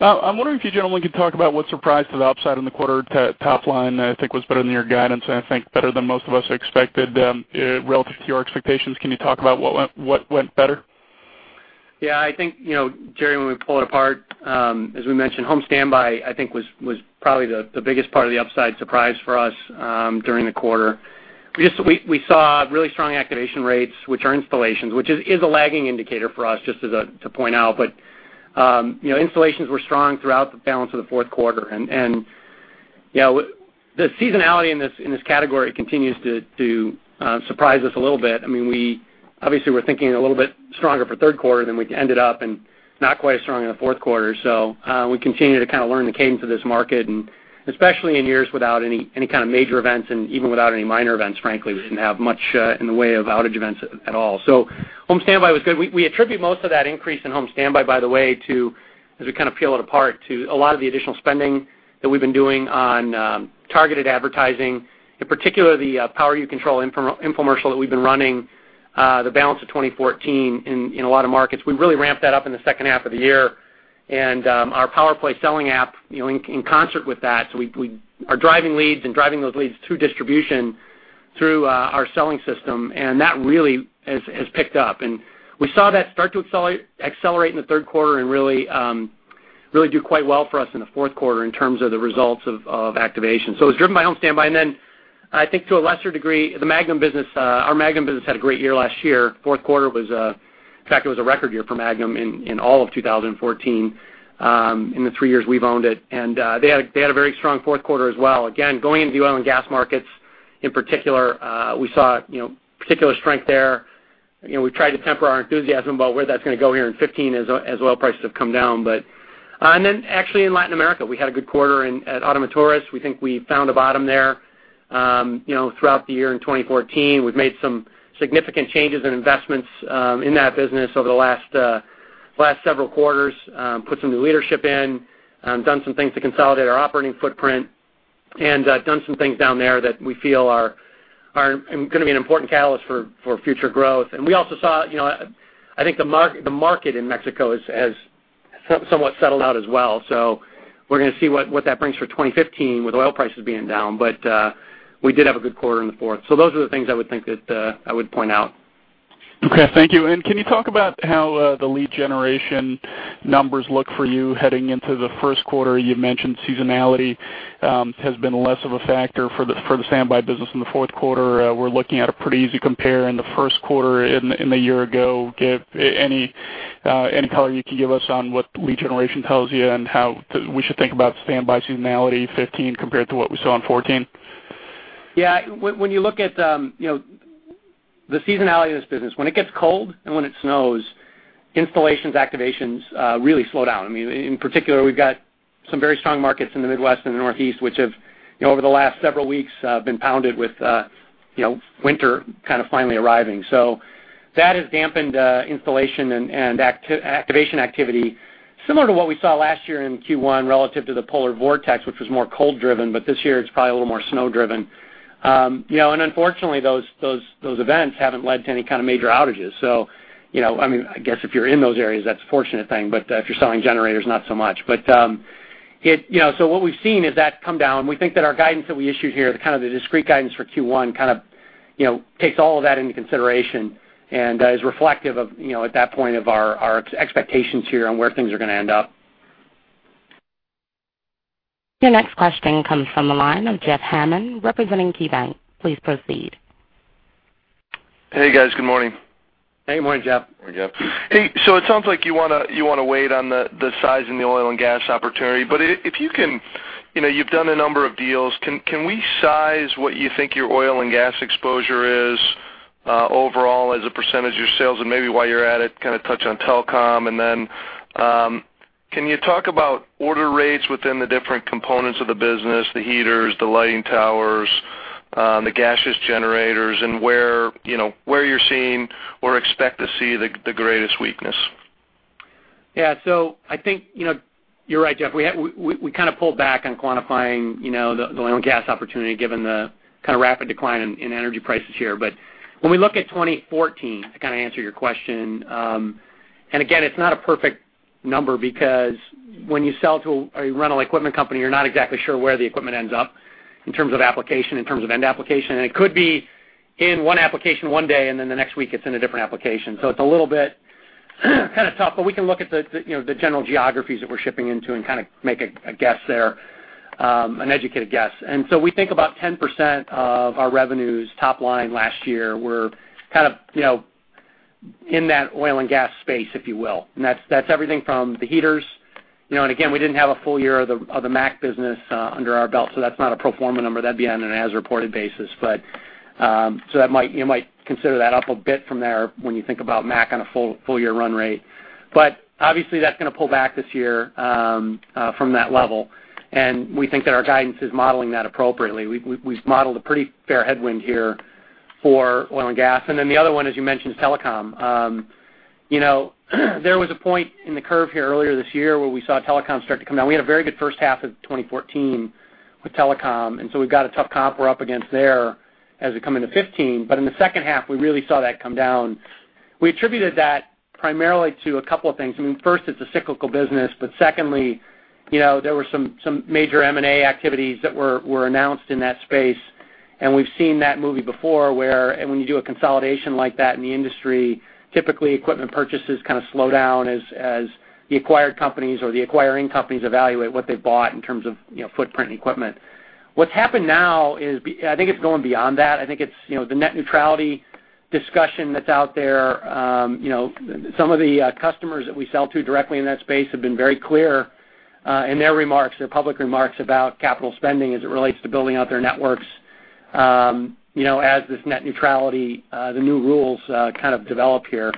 I'm wondering if you gentlemen can talk about what surprised to the upside in the quarter top line, I think was better than your guidance, and I think better than most of us expected relative to your expectations. Can you talk about what went better? Yeah, I think, Jerry, when we pull it apart, as we mentioned, home standby, I think, was probably the biggest part of the upside surprise for us during the quarter. We saw really strong activation rates, which are installations, which is a lagging indicator for us just to point out. Installations were strong throughout the balance of the fourth quarter. The seasonality in this category continues to surprise us a little bit. Obviously we're thinking a little bit stronger for third quarter than we ended up and not quite as strong in the fourth quarter. We continue to kind of learn the cadence of this market and especially in years without any kind of major events and even without any minor events, frankly, we didn't have much in the way of outage events at all. Home standby was good. We attribute most of that increase in home standby, by the way, as we kind of peel it apart, to a lot of the additional spending that we've been doing on targeted advertising, in particular the Power You Control infomercial that we've been running the balance of 2014 in a lot of markets. We really ramped that up in the second half of the year and our PowerPlay selling app in concert with that. We are driving leads and driving those leads through distribution through our selling system, and that really has picked up. We saw that start to accelerate in the third quarter and really do quite well for us in the fourth quarter in terms of the results of activation. It was driven by home standby. Then I think to a lesser degree, our Magnum business had a great year last year. Fourth quarter, in fact, it was a record year for Magnum in all of 2014, in the three years we've owned it. They had a very strong fourth quarter as well. Again, going into the oil and gas markets in particular, we saw particular strength there. We've tried to temper our enthusiasm about where that's going to go here in 2015 as oil prices have come down. Then actually in Latin America, we had a good quarter at Ottomotores. We think we found a bottom there. Throughout the year in 2014, we've made some significant changes and investments in that business over the last several quarters. Put some new leadership in, done some things to consolidate our operating footprint, and done some things down there that we feel are going to be an important catalyst for future growth. We also saw, I think the market in Mexico has somewhat settled out as well. We're going to see what that brings for 2015 with oil prices being down. We did have a good quarter in the fourth. Those are the things I would point out. Okay. Thank you. Can you talk about how the lead generation numbers look for you heading into the first quarter? You mentioned seasonality has been less of a factor for the standby business in the fourth quarter. We're looking at a pretty easy compare in the first quarter in the year ago. Any color you can give us on what lead generation tells you and how we should think about standby seasonality 2015 compared to what we saw in 2014? Yeah. When you look at the seasonality of this business, when it gets cold and when it snows, installations, activations really slow down. In particular, we've got some very strong markets in the Midwest and the Northeast, which have over the last several weeks been pounded with winter kind of finally arriving. That has dampened installation and activation activity similar to what we saw last year in Q1 relative to the polar vortex, which was more cold driven, but this year it's probably a little more snow driven. Unfortunately, those events haven't led to any kind of major outages. I guess if you're in those areas, that's a fortunate thing. If you're selling generators, not so much. What we've seen is that come down. We think that our guidance that we issued here, the kind of the discrete guidance for Q1 kind of takes all of that into consideration and is reflective of, at that point, of our expectations here on where things are going to end up. Your next question comes from the line of Jeff Hammond, representing KeyBanc. Please proceed. Hey, guys. Good morning. Hey. Morning, Jeff. Morning, Jeff. Hey. It sounds like you want to wait on the size in the oil and gas opportunity. You've done a number of deals. Can we size what you think your oil and gas exposure is overall as a percentage of your sales? Maybe while you're at it, kind of touch on telecom. Can you talk about order rates within the different components of the business, the heaters, the light towers, the gaseous generators, and where you're seeing or expect to see the greatest weakness? Yeah. I think you're right, Jeff. We kind of pulled back on quantifying the oil and gas opportunity given the kind of rapid decline in energy prices here. When we look at 2014, to kind of answer your question, again, it's not a perfect number because when you sell to a rental equipment company, you're not exactly sure where the equipment ends up in terms of application, in terms of end application. It could be in one application one day, then the next week it's in a different application. It's a little bit kind of tough, we can look at the general geographies that we're shipping into and kind of make a guess there, an educated guess. We think about 10% of our revenues top line last year were kind of in that oil and gas space, if you will. That's everything from the heaters. Again, we didn't have a full year of the MAC business under our belt, that's not a pro forma number. That'd be on an as-reported basis. You might consider that up a bit from there when you think about MAC on a full year run rate. Obviously, that's going to pull back this year from that level. We think that our guidance is modeling that appropriately. We've modeled a pretty fair headwind here for oil and gas. The other one, as you mentioned, is telecom. There was a point in the curve here earlier this year where we saw telecom start to come down. We had a very good first half of 2014 with telecom, we've got a tough comp we're up against there as we come into 2015. In the second half, we really saw that come down. We attributed that primarily to a couple of things. I mean, first it's a cyclical business, secondly, there were some major M&A activities that were announced in that space. We've seen that movie before where when you do a consolidation like that in the industry, typically equipment purchases kind of slow down as the acquired companies or the acquiring companies evaluate what they've bought in terms of footprint and equipment. What's happened now is, I think it's going beyond that. I think it's the net neutrality discussion that's out there. Some of the customers that we sell to directly in that space have been very clear, in their remarks, their public remarks about capital spending as it relates to building out their networks, as this net neutrality, the new rules kind of develop here,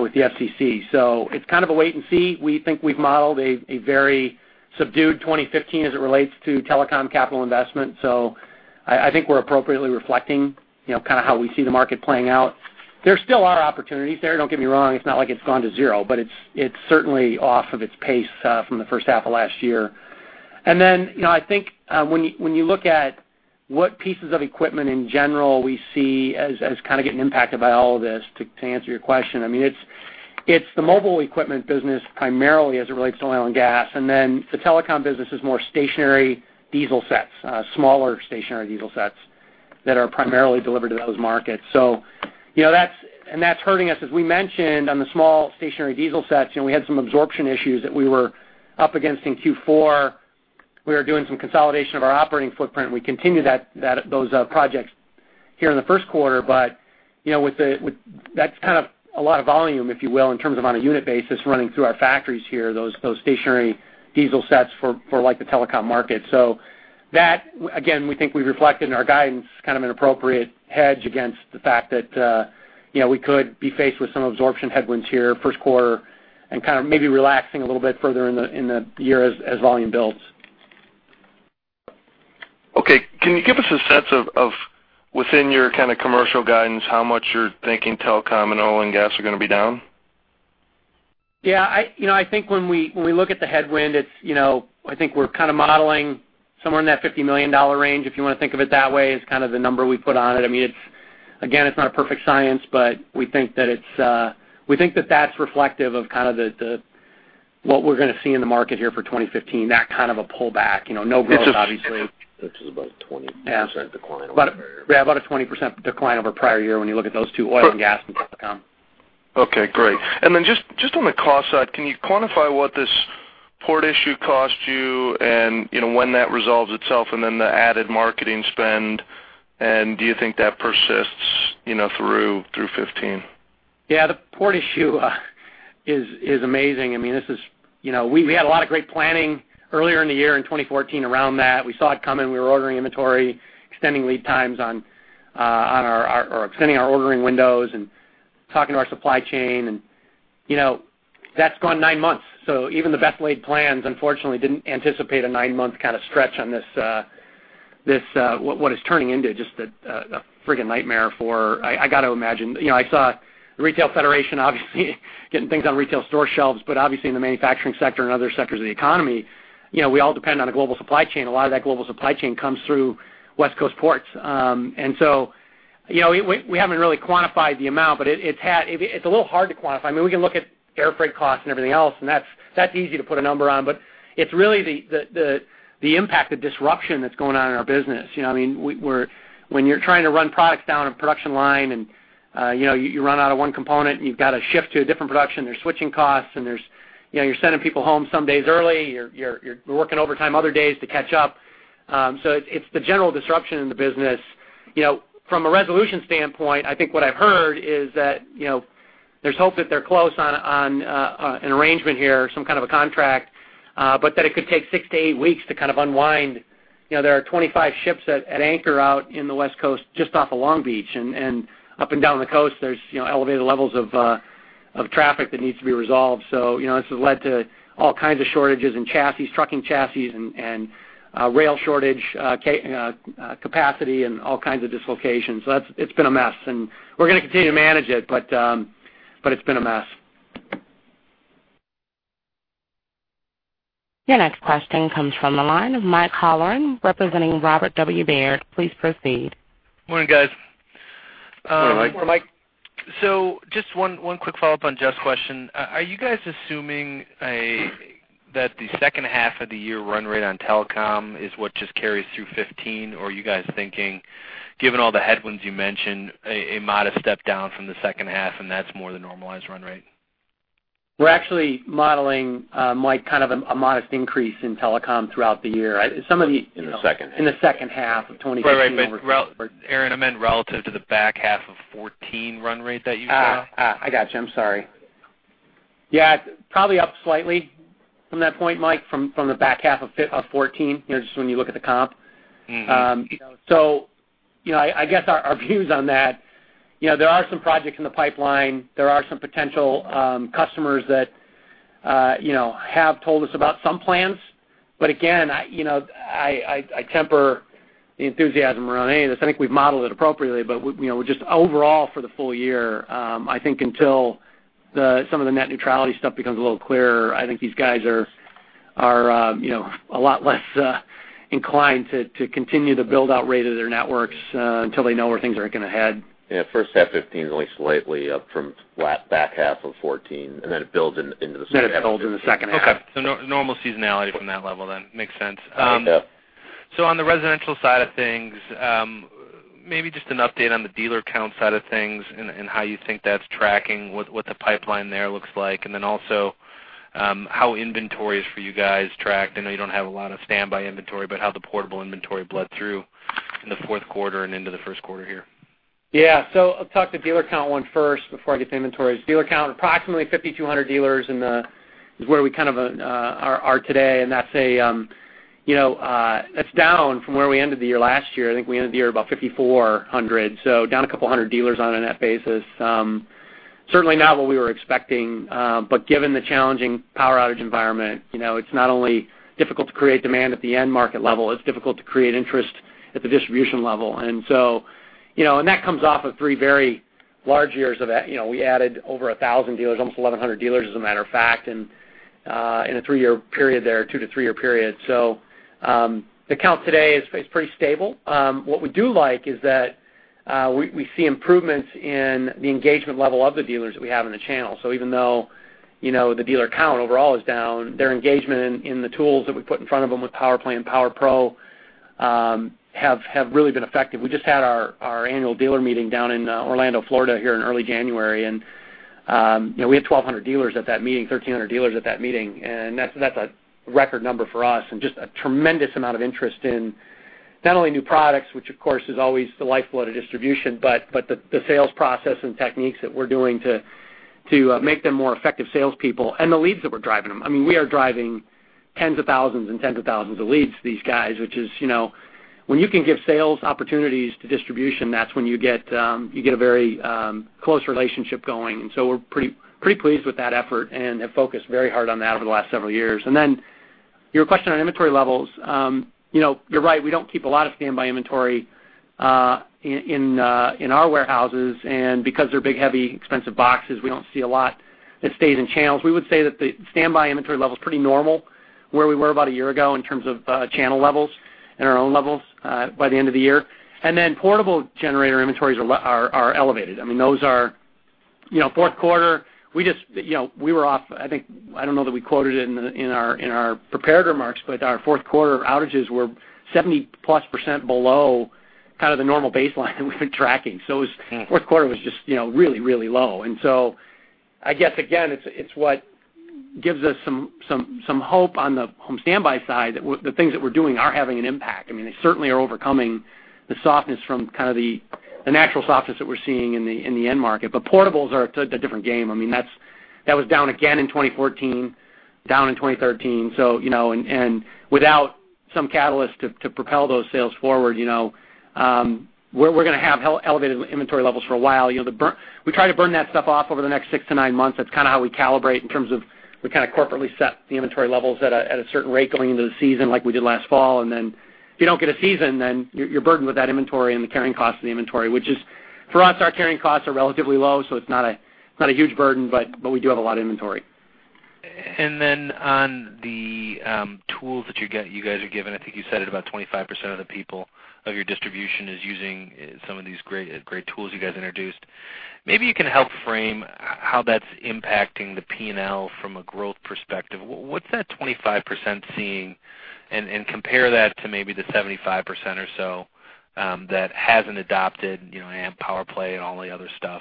with the FCC. It's kind of a wait and see. We think we've modeled a very subdued 2015 as it relates to telecom capital investment. I think we're appropriately reflecting kind of how we see the market playing out. There still are opportunities there, don't get me wrong. It's not like it's gone to zero, but it's certainly off of its pace from the first half of last year. Then, I think, when you look at what pieces of equipment in general we see as kind of getting impacted by all of this, to answer your question, I mean, it's the mobile equipment business primarily as it relates to oil and gas, and the telecom business is more stationary diesel sets, smaller stationary diesel sets that are primarily delivered to those markets. That's hurting us, as we mentioned, on the small stationary diesel sets, we had some absorption issues that we were up against in Q4. We were doing some consolidation of our operating footprint, and we continued those projects here in the first quarter. That's kind of a lot of volume, if you will, in terms of on a unit basis running through our factories here, those stationary diesel sets for the telecom market. That, again, we think we reflected in our guidance kind of an appropriate hedge against the fact that we could be faced with some absorption headwinds here first quarter and kind of maybe relaxing a little bit further in the year as volume builds. Okay. Can you give us a sense of within your kind of commercial guidance, how much you're thinking telecom and oil and gas are going to be down? Yeah. I think when we look at the headwind, I think we're kind of modeling somewhere in that $50 million range, if you want to think of it that way, is kind of the number we put on it. Again, it's not a perfect science, but we think that that's reflective of what we're going to see in the market here for 2015, that kind of a pullback. No growth, obviously. Which is about a 20% decline over prior year. Yeah. About a 20% decline over prior year when you look at those two, oil and gas and telecom. Okay, great. Then just on the cost side, can you quantify what this port issue cost you and when that resolves itself and then the added marketing spend? Do you think that persists through 2015? Yeah, the port issue is amazing. We had a lot of great planning earlier in the year in 2014 around that. We saw it coming. We were ordering inventory, extending our ordering windows, and talking to our supply chain, and that's gone nine months. Even the best-laid plans, unfortunately, didn't anticipate a nine-month kind of stretch on what is turning into just a freaking nightmare for, I got to imagine. I saw the National Retail Federation obviously getting things on retail store shelves, but obviously in the manufacturing sector and other sectors of the economy, we all depend on a global supply chain. A lot of that global supply chain comes through West Coast ports. We haven't really quantified the amount, but it's a little hard to quantify. I mean, we can look at airfreight costs and everything else, and that's easy to put a number on. It's really the impact of disruption that's going on in our business. When you're trying to run products down a production line. You run out of one component and you've got to shift to a different production. There's switching costs and you're sending people home some days early. You're working overtime other days to catch up. It's the general disruption in the business. From a resolution standpoint, I think what I've heard is that there's hope that they're close on an arrangement here, some kind of a contract, but that it could take six to eight weeks to kind of unwind. There are 25 ships at anchor out in the West Coast, just off of Long Beach, and up and down the coast, there's elevated levels of traffic that needs to be resolved. This has led to all kinds of shortages in trucking chassis and rail shortage capacity, and all kinds of dislocations. It's been a mess, and we're going to continue to manage it, but it's been a mess. Your next question comes from the line of Mike Halloran, representing Robert W. Baird. Please proceed. Morning, guys. Morning, Mike. Just one quick follow-up on Jeff's question. Are you guys assuming that the second half of the year run rate on telecom is what just carries through 2015? Or are you guys thinking, given all the headwinds you mentioned, a modest step down from the second half, and that's more the normalized run rate? We're actually modeling, Mike, kind of a modest increase in telecom throughout the year. In the second half. In the second half of 2015. Right. Aaron, I meant relative to the back half of 2014 run rate that you saw. I got you. I'm sorry. Yeah, probably up slightly from that point, Mike, from the back half of 2014, just when you look at the comp. I guess our views on that, there are some projects in the pipeline. There are some potential customers that have told us about some plans. Again, I temper the enthusiasm around any of this. I think we've modeled it appropriately. Just overall, for the full year, I think until some of the net neutrality stuff becomes a little clearer, I think these guys are a lot less inclined to continue to build out rate of their networks until they know where things are going to head. First half 2015 is only slightly up from back half of 2014, then it builds into the second half of 2015. It builds in the second half. Okay. Normal seasonality from that level then. Makes sense. Yeah. On the residential side of things, maybe just an update on the dealer count side of things and how you think that's tracking, what the pipeline there looks like, then also how inventory is for you guys tracked. I know you don't have a lot of standby inventory, but how the portable inventory bled through in the fourth quarter and into the first quarter here. I'll talk the dealer count one first before I get to inventories. Dealer count, approximately 5,200 dealers is where we kind of are today, and that's down from where we ended the year last year. I think we ended the year about 5,400, so down 200 dealers on a net basis. Certainly not what we were expecting. Given the challenging power outage environment, it's not only difficult to create demand at the end market level, it's difficult to create interest at the distribution level. That comes off of three very large years of that. We added over 1,000 dealers, almost 1,100 dealers, as a matter of fact, in a three-year period there, two to three-year period. The count today is pretty stable. What we do like is that we see improvements in the engagement level of the dealers that we have in the channel. Even though the dealer count overall is down, their engagement in the tools that we put in front of them with PowerPlay and PowerPro have really been effective. We just had our annual dealer meeting down in Orlando, Florida, here in early January, and we had 1,200 dealers at that meeting, 1,300 dealers at that meeting, and that's a record number for us. Just a tremendous amount of interest in not only new products, which of course is always the lifeblood of distribution, but the sales process and techniques that we're doing to make them more effective salespeople, and the leads that we're driving them. We are driving tens of thousands and tens of thousands of leads to these guys. When you can give sales opportunities to distribution, that's when you get a very close relationship going. We're pretty pleased with that effort and have focused very hard on that over the last several years. Your question on inventory levels. You're right, we don't keep a lot of standby inventory in our warehouses. Because they're big, heavy, expensive boxes, we don't see a lot that stays in channels. We would say that the standby inventory level's pretty normal where we were about a year ago in terms of channel levels and our own levels by the end of the year. Portable generator inventories are elevated. Fourth quarter, I don't know that we quoted it in our prepared remarks, but our fourth quarter outages were 70+ percentage below kind of the normal baseline that we've been tracking. Fourth quarter was just really, really low. I guess, again, it's what gives us some hope on the home standby side that the things that we're doing are having an impact. They certainly are overcoming the softness from kind of the natural softness that we're seeing in the end market. Portables are a different game. That was down again in 2014, down in 2013. Without some catalyst to propel those sales forward, we're going to have elevated inventory levels for a while. We try to burn that stuff off over the next six to nine months. That's kind of how we calibrate in terms of we kind of corporately set the inventory levels at a certain rate going into the season like we did last fall. If you don't get a season, you're burdened with that inventory and the carrying cost of the inventory, which is, for us, our carrying costs are relatively low, so it's not a huge burden, but we do have a lot of inventory. On the tools that you guys are given, I think you said it, about 25% of the people of your distribution is using some of these great tools you guys introduced. Maybe you can help frame how that's impacting the P&L from a growth perspective. What's that 25% seeing? Compare that to maybe the 75% or so that hasn't adopted AMP PowerPlay and all the other stuff.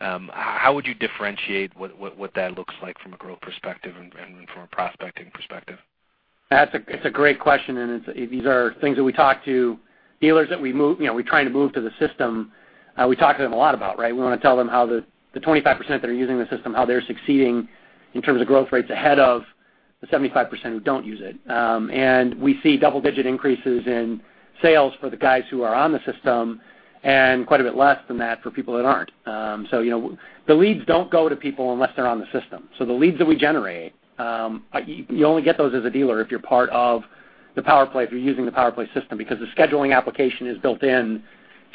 How would you differentiate what that looks like from a growth perspective and from a prospecting perspective? That's a great question, these are things that we talk to dealers that we're trying to move to the system, we talk to them a lot about, right? We want to tell them how the 25% that are using the system, how they're succeeding in terms of growth rates ahead of the 75% who don't use it. We see double-digit increases in sales for the guys who are on the system, and quite a bit less than that for people that aren't. The leads don't go to people unless they're on the system. The leads that we generate, you only get those as a dealer if you're part of the PowerPlay, if you're using the PowerPlay system, because the scheduling application is built in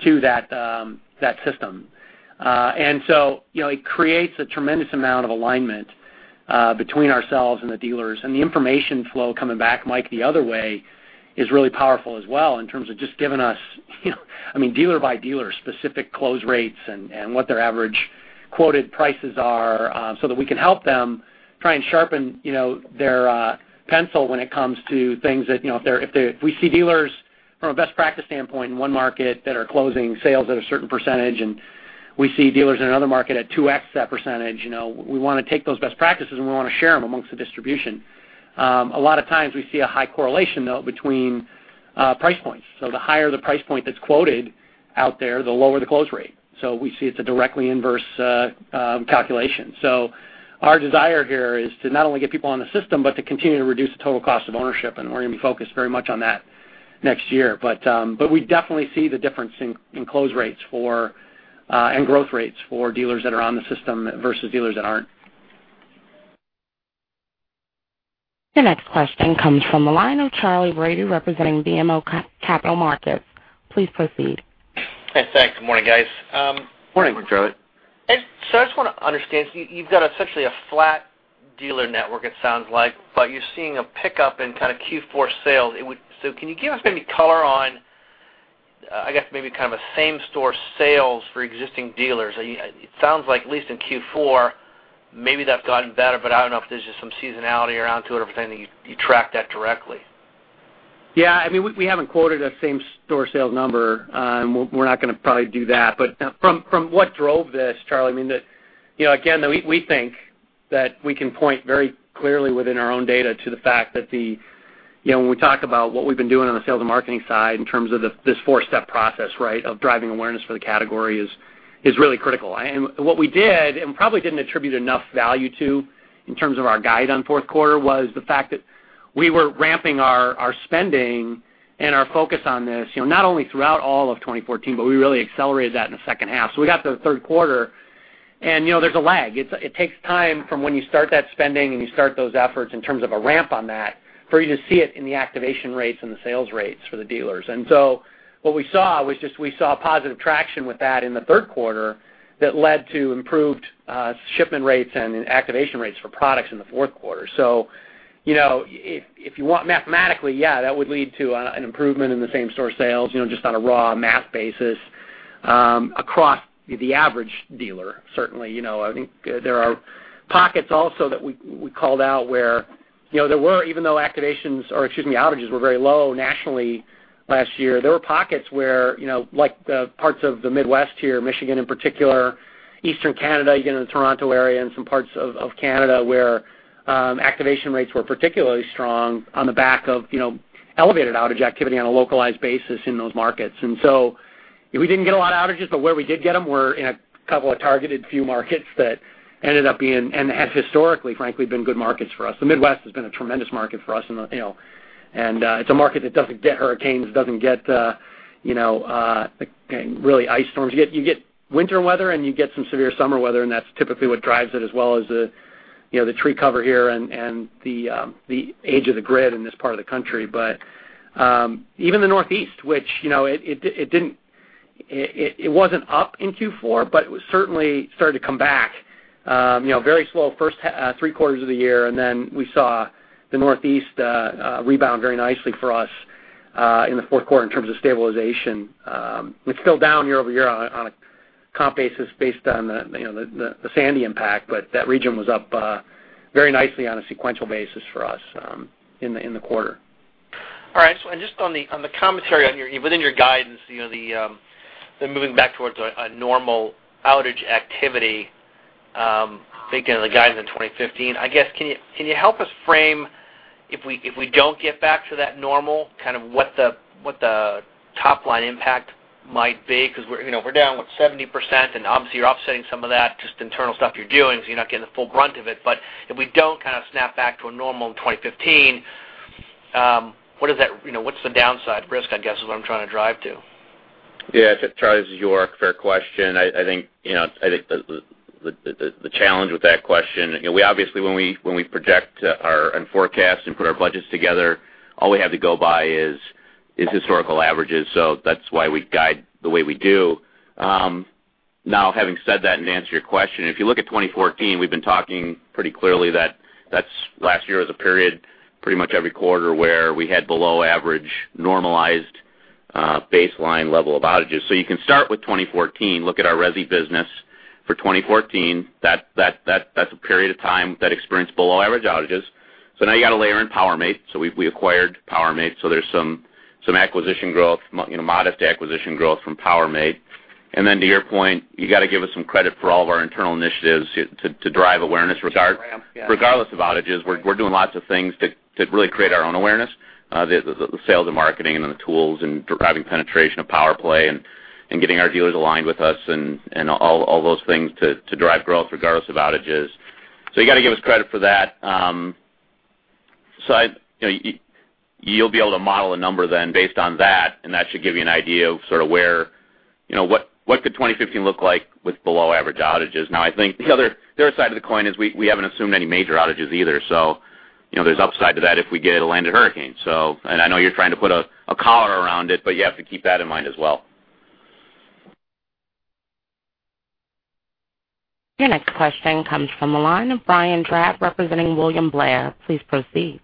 to that system. It creates a tremendous amount of alignment between ourselves and the dealers. The information flow coming back, Mike Halloran, the other way, is really powerful as well in terms of just giving us, dealer by dealer, specific close rates and what their average quoted prices are, so that we can help them try and sharpen their pencil when it comes to things that If we see dealers from a best practice standpoint in one market that are closing sales at a certain percentage, and we see dealers in another market at 2x that percentage, we want to take those best practices, and we want to share them amongst the distribution. A lot of times, we see a high correlation, though, between price points. The higher the price point that's quoted out there, the lower the close rate. We see it's a directly inverse calculation. Our desire here is to not only get people on the system but to continue to reduce the total cost of ownership, and we're going to be focused very much on that next year. We definitely see the difference in close rates and growth rates for dealers that are on the system versus dealers that aren't. The next question comes from the line of Charlie Brady representing BMO Capital Markets. Please proceed. Thanks. Good morning, guys. Morning, Charlie. I just want to understand, you've got essentially a flat dealer network, it sounds like, but you're seeing a pickup in Q4 sales. Can you give us maybe color on, I guess, maybe a same store sales for existing dealers? It sounds like at least in Q4, maybe that's gotten better, but I don't know if there's just some seasonality around to it or if you track that directly. Yeah. I mean, we haven't quoted a same store sales number. We're not going to probably do that. From what drove this, Charlie, I mean, again, we think that we can point very clearly within our own data to the fact that when we talk about what we've been doing on the sales and marketing side in terms of this four-step process, of driving awareness for the category is really critical. What we did, and probably didn't attribute enough value to in terms of our guide on fourth quarter, was the fact that we were ramping our spending and our focus on this, not only throughout all of 2014, but we really accelerated that in the second half. We got to the third quarter, and there's a lag. It takes time from when you start that spending, and you start those efforts in terms of a ramp on that, for you to see it in the activation rates and the sales rates for the dealers. What we saw was just, we saw positive traction with that in the third quarter that led to improved shipment rates and activation rates for products in the fourth quarter. If you want, mathematically, yeah, that would lead to an improvement in the same store sales, just on a raw math basis, across the average dealer, certainly. I think there are pockets also that we called out where there were, even though activations, or excuse me, outages were very low nationally last year, there were pockets where, like parts of the Midwest here, Michigan in particular, eastern Canada, again, in the Toronto area, and some parts of Canada, where activation rates were particularly strong on the back of elevated outage activity on a localized basis in those markets. We didn't get a lot of outages, but where we did get them were in a couple of targeted few markets that ended up being, and have historically, frankly, been good markets for us. The Midwest has been a tremendous market for us, and it's a market that doesn't get hurricanes, doesn't get really ice storms. You get winter weather, and you get some severe summer weather, and that's typically what drives it, as well as the tree cover here and the age of the grid in this part of the country. Even the Northeast, which it wasn't up in Q4, but certainly started to come back very slow first three quarters of the year, then we saw the Northeast rebound very nicely for us, in the fourth quarter in terms of stabilization. It's still down year-over-year on a comp basis based on the Sandy impact. That region was up very nicely on a sequential basis for us in the quarter. All right. Just on the commentary within your guidance, the moving back towards a normal outage activity, thinking of the guidance in 2015. I guess, can you help us frame if we don't get back to that normal, what the top-line impact might be? Because we're down, what, 70%, and obviously, you're offsetting some of that, just internal stuff you're doing, so you're not getting the full brunt of it. If we don't kind of snap back to a normal in 2015, what's the downside risk, I guess, is what I'm trying to drive to? Yeah. Charlie, this is York. Fair question. I think the challenge with that question, we obviously when we project and forecast and put our budgets together, all we have to go by is historical averages, that's why we guide the way we do. Having said that and to answer your question, if you look at 2014, we've been talking pretty clearly that last year was a period, pretty much every quarter, where we had below average normalized baseline level of outages. You can start with 2014, look at our resi business for 2014. That's a period of time that experienced below average outages. You've got to layer in PowerMate. We acquired PowerMate, there's some modest acquisition growth from PowerMate. To your point, you got to give us some credit for all of our internal initiatives to drive awareness Ramp, yeah. regardless of outages. We're doing lots of things to really create our own awareness, the sales and marketing and the tools and driving penetration of PowerPlay and getting our dealers aligned with us and all those things to drive growth regardless of outages. You got to give us credit for that. You'll be able to model a number then based on that should give you an idea of what could 2015 look like with below-average outages. I think the other side of the coin is we haven't assumed any major outages either, so there's upside to that if we get a landed hurricane. I know you're trying to put a collar around it, but you have to keep that in mind as well. Your next question comes from the line of Brian Drab representing William Blair. Please proceed.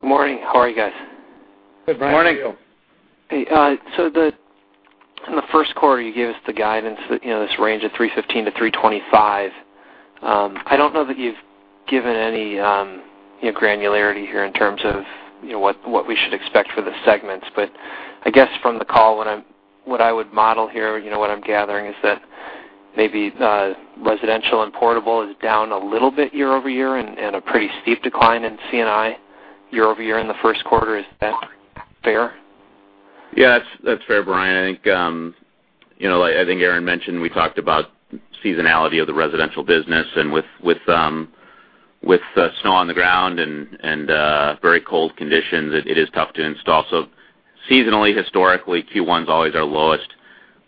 Good morning. How are you guys? Good morning. Good morning. Hey. In the first quarter, you gave us the guidance, this range of $315 to $325. I don't know that you've given any granularity here in terms of what we should expect for the segments. I guess from the call, what I would model here, what I'm gathering is that maybe residential and portable is down a little bit year-over-year and a pretty steep decline in C&I year-over-year in the first quarter. Is that fair? Yeah, that's fair, Brian. I think Aaron mentioned, we talked about seasonality of the residential business, and with snow on the ground and very cold conditions, it is tough to install. Seasonally, historically, Q1 is always our lowest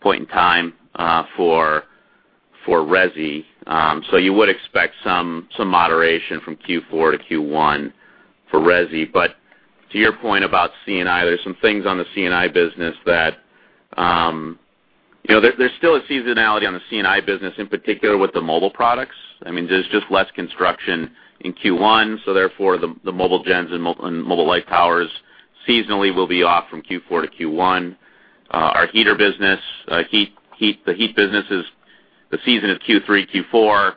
point in time for resi. You would expect some moderation from Q4 to Q1 for resi. To your point about C&I, there's some things on the C&I business that there's still a seasonality on the C&I business, in particular with the mobile products. There's just less construction in Q1, so therefore the mobile gens and mobile light towers seasonally will be off from Q4 to Q1. Our heater business, the heat business is the season of Q3, Q4.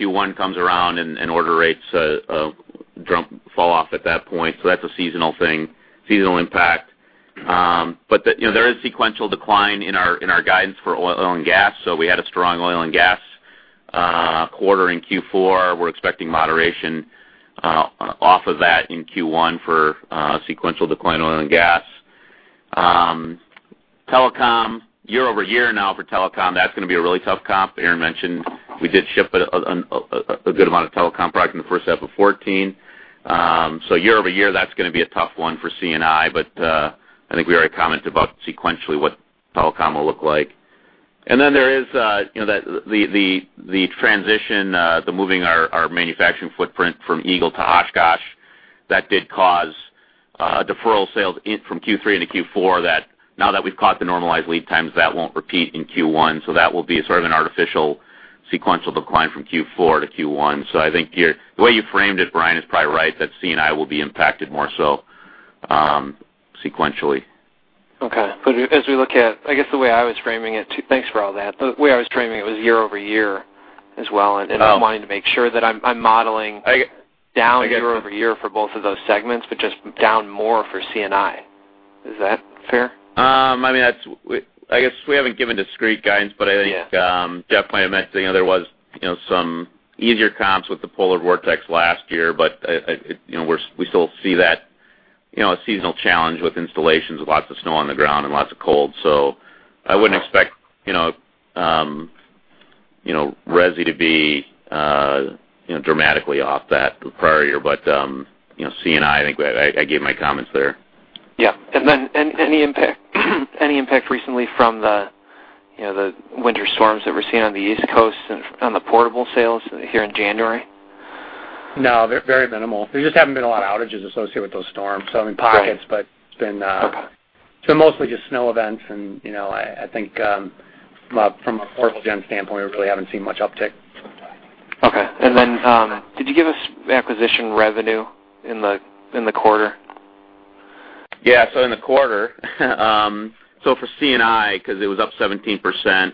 Q1 comes around, and order rates drop fall off at that point. That's a seasonal thing, seasonal impact. There is sequential decline in our guidance for oil and gas. We had a strong oil and gas quarter in Q4. We are expecting moderation off of that in Q1 for sequential decline in oil and gas. Telecom, year-over-year now for telecom, that is going to be a really tough comp. Aaron mentioned we did ship a good amount of telecom product in the first half of 2014. Year-over-year, that is going to be a tough one for C&I, but I think we already commented about sequentially what telecom will look like. There is the transition, the moving our manufacturing footprint from Eagle to Oshkosh. That did cause deferral sales from Q3 into Q4 that now that we have caught the normalized lead times, that will not repeat in Q1, so that will be sort of an artificial sequential decline from Q4 to Q1. I think the way you framed it, Brian, is probably right, that C&I will be impacted more so sequentially. Okay. I guess the way I was framing it, thanks for all that. The way I was framing it was year-over-year as well, I am wanting to make sure that I am modeling down year-over-year for both of those segments, but just down more for C&I. Is that fair? I guess we have not given discrete guidance, I think Jeff might have mentioned there was some easier comps with the polar vortex last year. We still see that seasonal challenge with installations, lots of snow on the ground and lots of cold. I would not expect resi to be dramatically off that prior year. C&I think I gave my comments there. Yeah. Any impact recently from the winter storms that we're seeing on the East Coast on the portable sales here in January? No, very minimal. There just haven't been a lot of outages associated with those storms. Some in pockets, but it's been mostly just snow events, and I think from a portable gen standpoint, we really haven't seen much uptick. Okay. Did you give us acquisition revenue in the quarter? Yeah. In the quarter, so for C&I, because it was up 17%,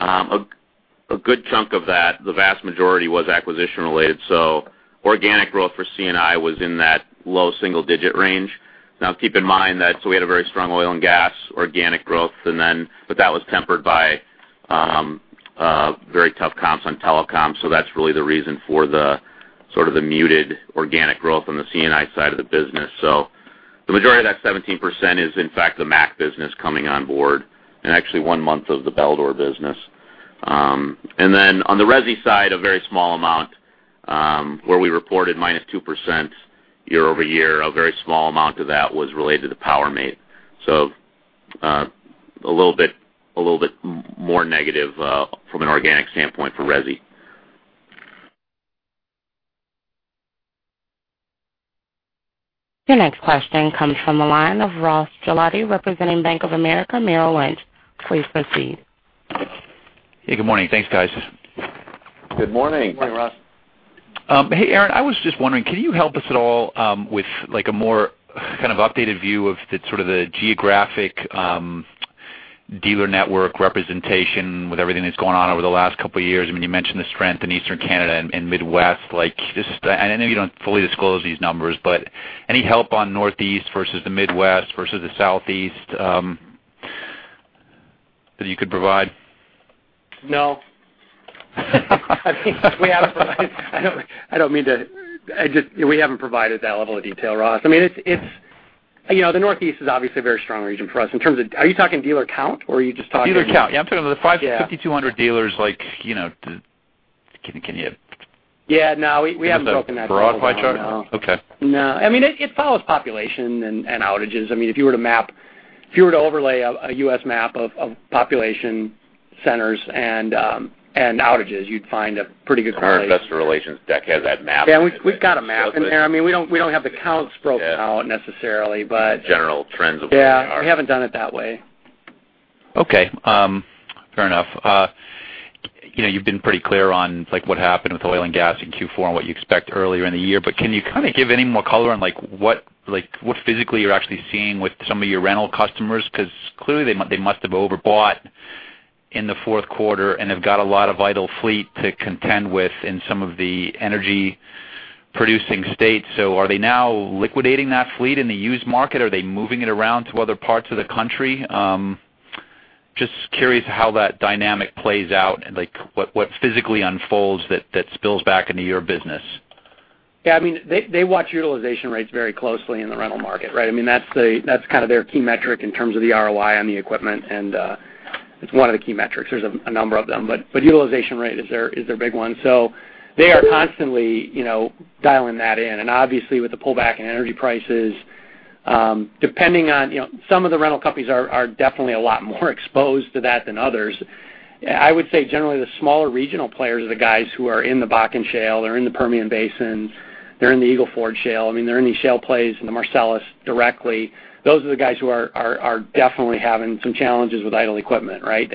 a good chunk of that, the vast majority was acquisition-related. Organic growth for C&I was in that low single-digit range. Now, keep in mind that we had a very strong oil and gas organic growth, but that was tempered by very tough comps on telecom. That's really the reason for the sort of the muted organic growth on the C&I side of the business. The majority of that 17% is, in fact, the MAC business coming on board and actually one month of the Baldor business. On the resi side, a very small amount, where we reported -2% year-over-year. A very small amount of that was related to PowerMate. A little bit more negative from an organic standpoint for resi. Your next question comes from the line of Ross Gilardi, representing Bank of America Merrill Lynch. Please proceed. Hey, good morning. Thanks, guys. Good morning. Morning, Ross. Hey, Aaron, I was just wondering, can you help us at all with a more kind of updated view of the sort of the geographic dealer network representation with everything that's gone on over the last couple of years. You mentioned the strength in Eastern Canada and Midwest. I know you don't fully disclose these numbers, but any help on Northeast versus the Midwest versus the Southeast that you could provide? No. We haven't provided that level of detail, Ross. The Northeast is obviously a very strong region for us in terms of Are you talking dealer count, or are you just talking? Dealer count. Yeah, I'm talking about the 5,200 dealers. Can you? Yeah, no, we haven't broken that down. No. Okay. No. It follows population and outages. If you were to overlay a U.S. map of population centers and outages, you'd find a pretty good correlation. Our investor relations deck has that map. Yeah. We've got a map in there. We don't have the counts broken out necessarily. General trends of where they are. We haven't done it that way. Fair enough. You've been pretty clear on what happened with oil and gas in Q4 and what you expect earlier in the year, can you give any more color on what physically you're actually seeing with some of your rental customers? Clearly, they must have overbought in the fourth quarter and have got a lot of idle fleet to contend with in some of the energy-producing states. Are they now liquidating that fleet in the used market? Are they moving it around to other parts of the country? Just curious how that dynamic plays out and what physically unfolds that spills back into your business. They watch utilization rates very closely in the rental market, right? That's kind of their key metric in terms of the ROI on the equipment, and it's one of the key metrics. There's a number of them, utilization rate is their big one. They are constantly dialing that in, obviously, with the pullback in energy prices, some of the rental companies are definitely a lot more exposed to that than others. I would say generally the smaller regional players are the guys who are in the Bakken Shale, they're in the Permian Basin, they're in the Eagle Ford Shale. They're in these shale plays in the Marcellus directly. Those are the guys who are definitely having some challenges with idle equipment, right?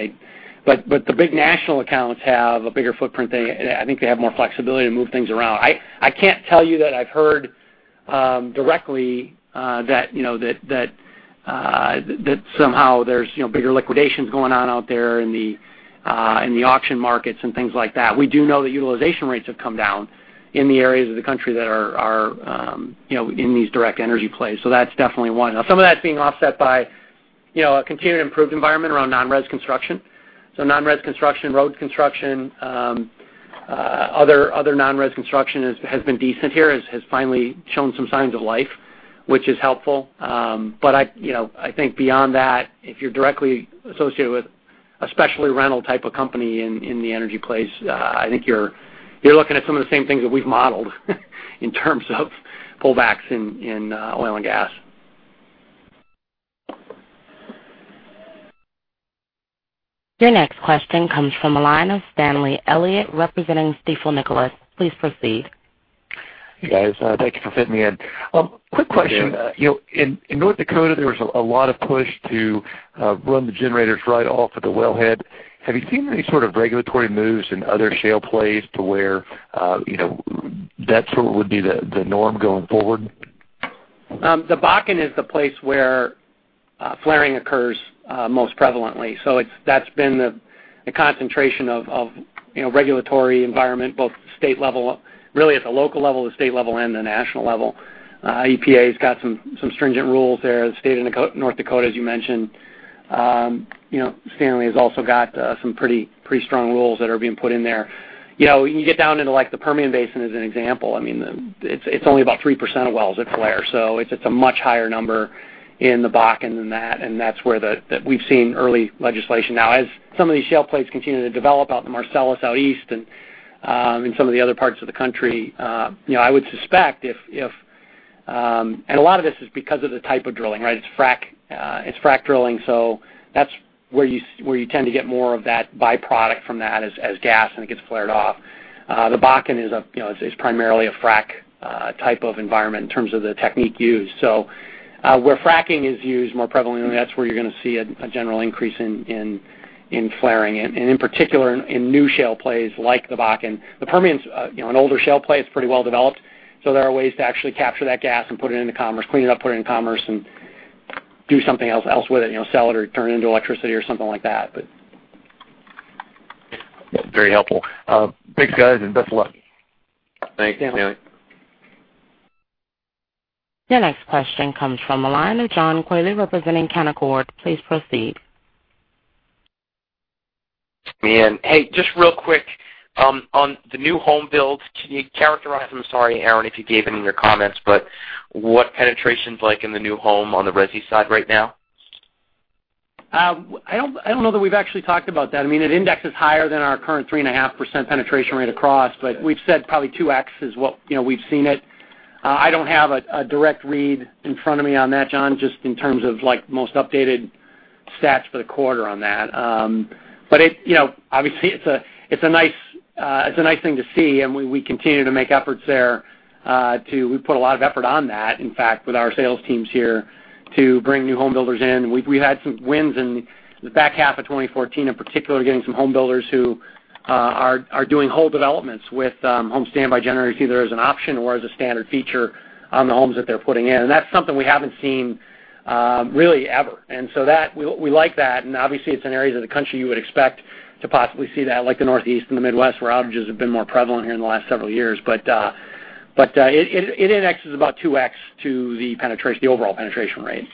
The big national accounts have a bigger footprint. I think they have more flexibility to move things around. I can't tell you that I've heard directly that somehow there's bigger liquidations going on out there in the auction markets and things like that. We do know that utilization rates have come down in the areas of the country that are in these direct energy plays, that's definitely one. Some of that's being offset by a continued improved environment around non-res construction. Non-res construction, road construction, other non-res construction has been decent here, has finally shown some signs of life, which is helpful. I think beyond that, if you're directly associated with a specialty rental type of company in the energy plays, I think you're looking at some of the same things that we've modeled in terms of pullbacks in oil and gas. Your next question comes from the line of Stanley Elliott representing Stifel Nicolaus. Please proceed. Hey, guys. Thank you for fitting me in. Quick question. Yeah. In North Dakota, there was a lot of push to run the generators right off of the wellhead. Have you seen any sort of regulatory moves in other shale plays to where that sort of would be the norm going forward? The Bakken is the place where flaring occurs most prevalently. That's been the concentration of regulatory environment, both at the local level, the state level, and the national level. EPA has got some stringent rules there. The State of North Dakota, as you mentioned. Stanley has also got some pretty strong rules that are being put in there. You get down into the Permian Basin as an example. It's only about 3% of wells that flare. It's a much higher number in the Bakken than that, and that's where we've seen early legislation. Now, as some of these shale plays continue to develop out in the Marcellus out east and some of the other parts of the country, I would suspect if a lot of this is because of the type of drilling, right? It's frack drilling, that's where you tend to get more of that byproduct from that as gas, and it gets flared off. The Bakken is primarily a frack type of environment in terms of the technique used. Where fracking is used more prevalently, that's where you're going to see a general increase in flaring, and in particular, in new shale plays like the Bakken. The Permian's an older shale play. It's pretty well-developed. There are ways to actually capture that gas and put it into commerce, clean it up, put it in commerce, and do something else with it, sell it or turn it into electricity or something like that. Very helpful. Thanks, guys, and best of luck. Thanks, Stanley. Your next question comes from the line of John Quealy representing Canaccord. Please proceed. Hey, just real quick, on the new home builds, can you characterize, I'm sorry, Aaron, if you gave it in your comments, but what penetration's like in the new home on the resi side right now? I don't know that we've actually talked about that. It indexes higher than our current 3.5% penetration rate across, but we've said probably 2x is what we've seen it. I don't have a direct read in front of me on that, John, just in terms of most updated stats for the quarter on that. Obviously, it's a nice thing to see. We continue to make efforts there. We put a lot of effort on that, in fact, with our sales teams here to bring new home builders in. We had some wins in the back half of 2014, in particular, getting some home builders who are doing whole developments with home standby generators, either as an option or as a standard feature on the homes that they're putting in. That's something we haven't seen really ever. We like that. Obviously, it's in areas of the country you would expect to possibly see that, like the Northeast and the Midwest, where outages have been more prevalent here in the last several years. It indexes about 2x to the overall penetration rate.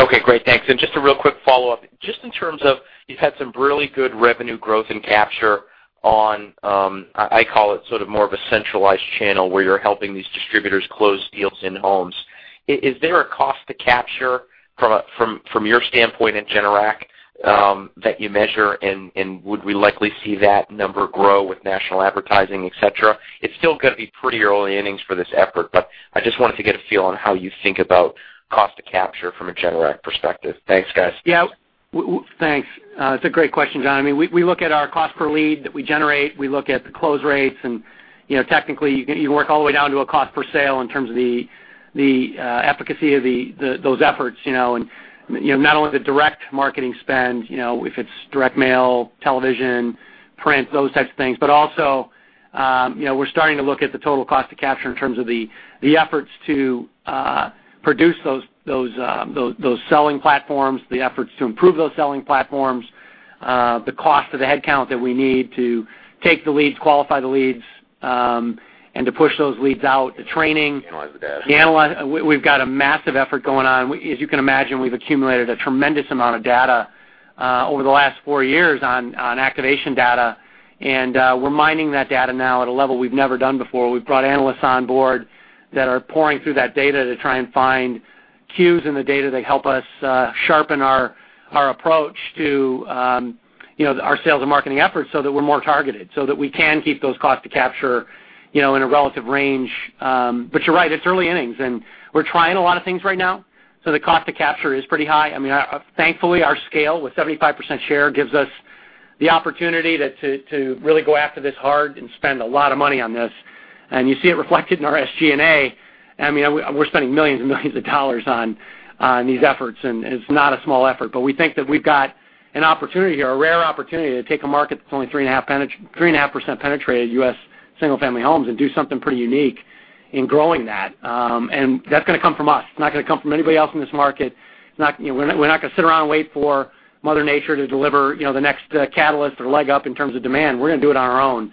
Okay, great. Thanks. Just a real quick follow-up, just in terms of, you've had some really good revenue growth and capture on, I call it sort of more of a centralized channel, where you're helping these distributors close deals in homes. Is there a cost to capture from your standpoint at Generac, that you measure, and would we likely see that number grow with national advertising, et cetera? It's still going to be pretty early innings for this effort. I just wanted to get a feel on how you think about cost to capture from a Generac perspective. Thanks, guys. Yeah. Thanks. It's a great question, John. We look at our cost per lead that we generate. We look at the close rates. Technically, you work all the way down to a cost per sale in terms of the efficacy of those efforts. Not only the direct marketing spend, if it's direct mail, television, print, those types of things, but also, we're starting to look at the total cost to capture in terms of the efforts to produce those selling platforms, the efforts to improve those selling platforms, the cost of the headcount that we need to take the leads, qualify the leads, and to push those leads out, the training. Analyze the data. We've got a massive effort going on. As you can imagine, we've accumulated a tremendous amount of data over the last four years on activation data. We're mining that data now at a level we've never done before. We've brought analysts on board that are poring through that data to try and find cues in the data that help us sharpen our approach to our sales and marketing efforts so that we're more targeted, so that we can keep those costs to capture in a relative range. You're right, it's early innings. We're trying a lot of things right now. The cost to capture is pretty high. Thankfully, our scale with 75% share gives us the opportunity to really go after this hard and spend a lot of money on this. You see it reflected in our SG&A. We're spending millions and millions of dollars on these efforts. It's not a small effort. We think that we've got an opportunity here, a rare opportunity to take a market that's only 3.5% penetrated U.S. single-family homes and do something pretty unique in growing that. That's going to come from us. It's not going to come from anybody else in this market. We're not going to sit around and wait for Mother Nature to deliver the next catalyst or leg up in terms of demand. We're going to do it on our own.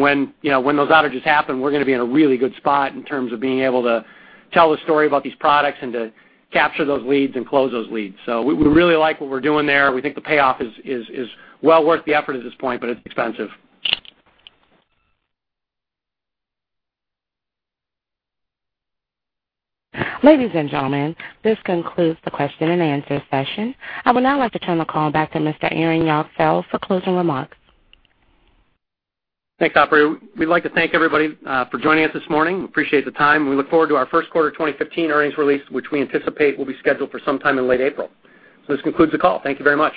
When those outages happen, we're going to be in a really good spot in terms of being able to tell the story about these products and to capture those leads and close those leads. We really like what we're doing there. We think the payoff is well worth the effort at this point, but it's expensive. Ladies and gentlemen, this concludes the question-and-answer session. I would now like to turn the call back to Mr. Aaron Jagdfeld for closing remarks. Thanks, operator. We'd like to thank everybody for joining us this morning. We appreciate the time, and we look forward to our first quarter 2015 earnings release, which we anticipate will be scheduled for sometime in late April. This concludes the call. Thank you very much.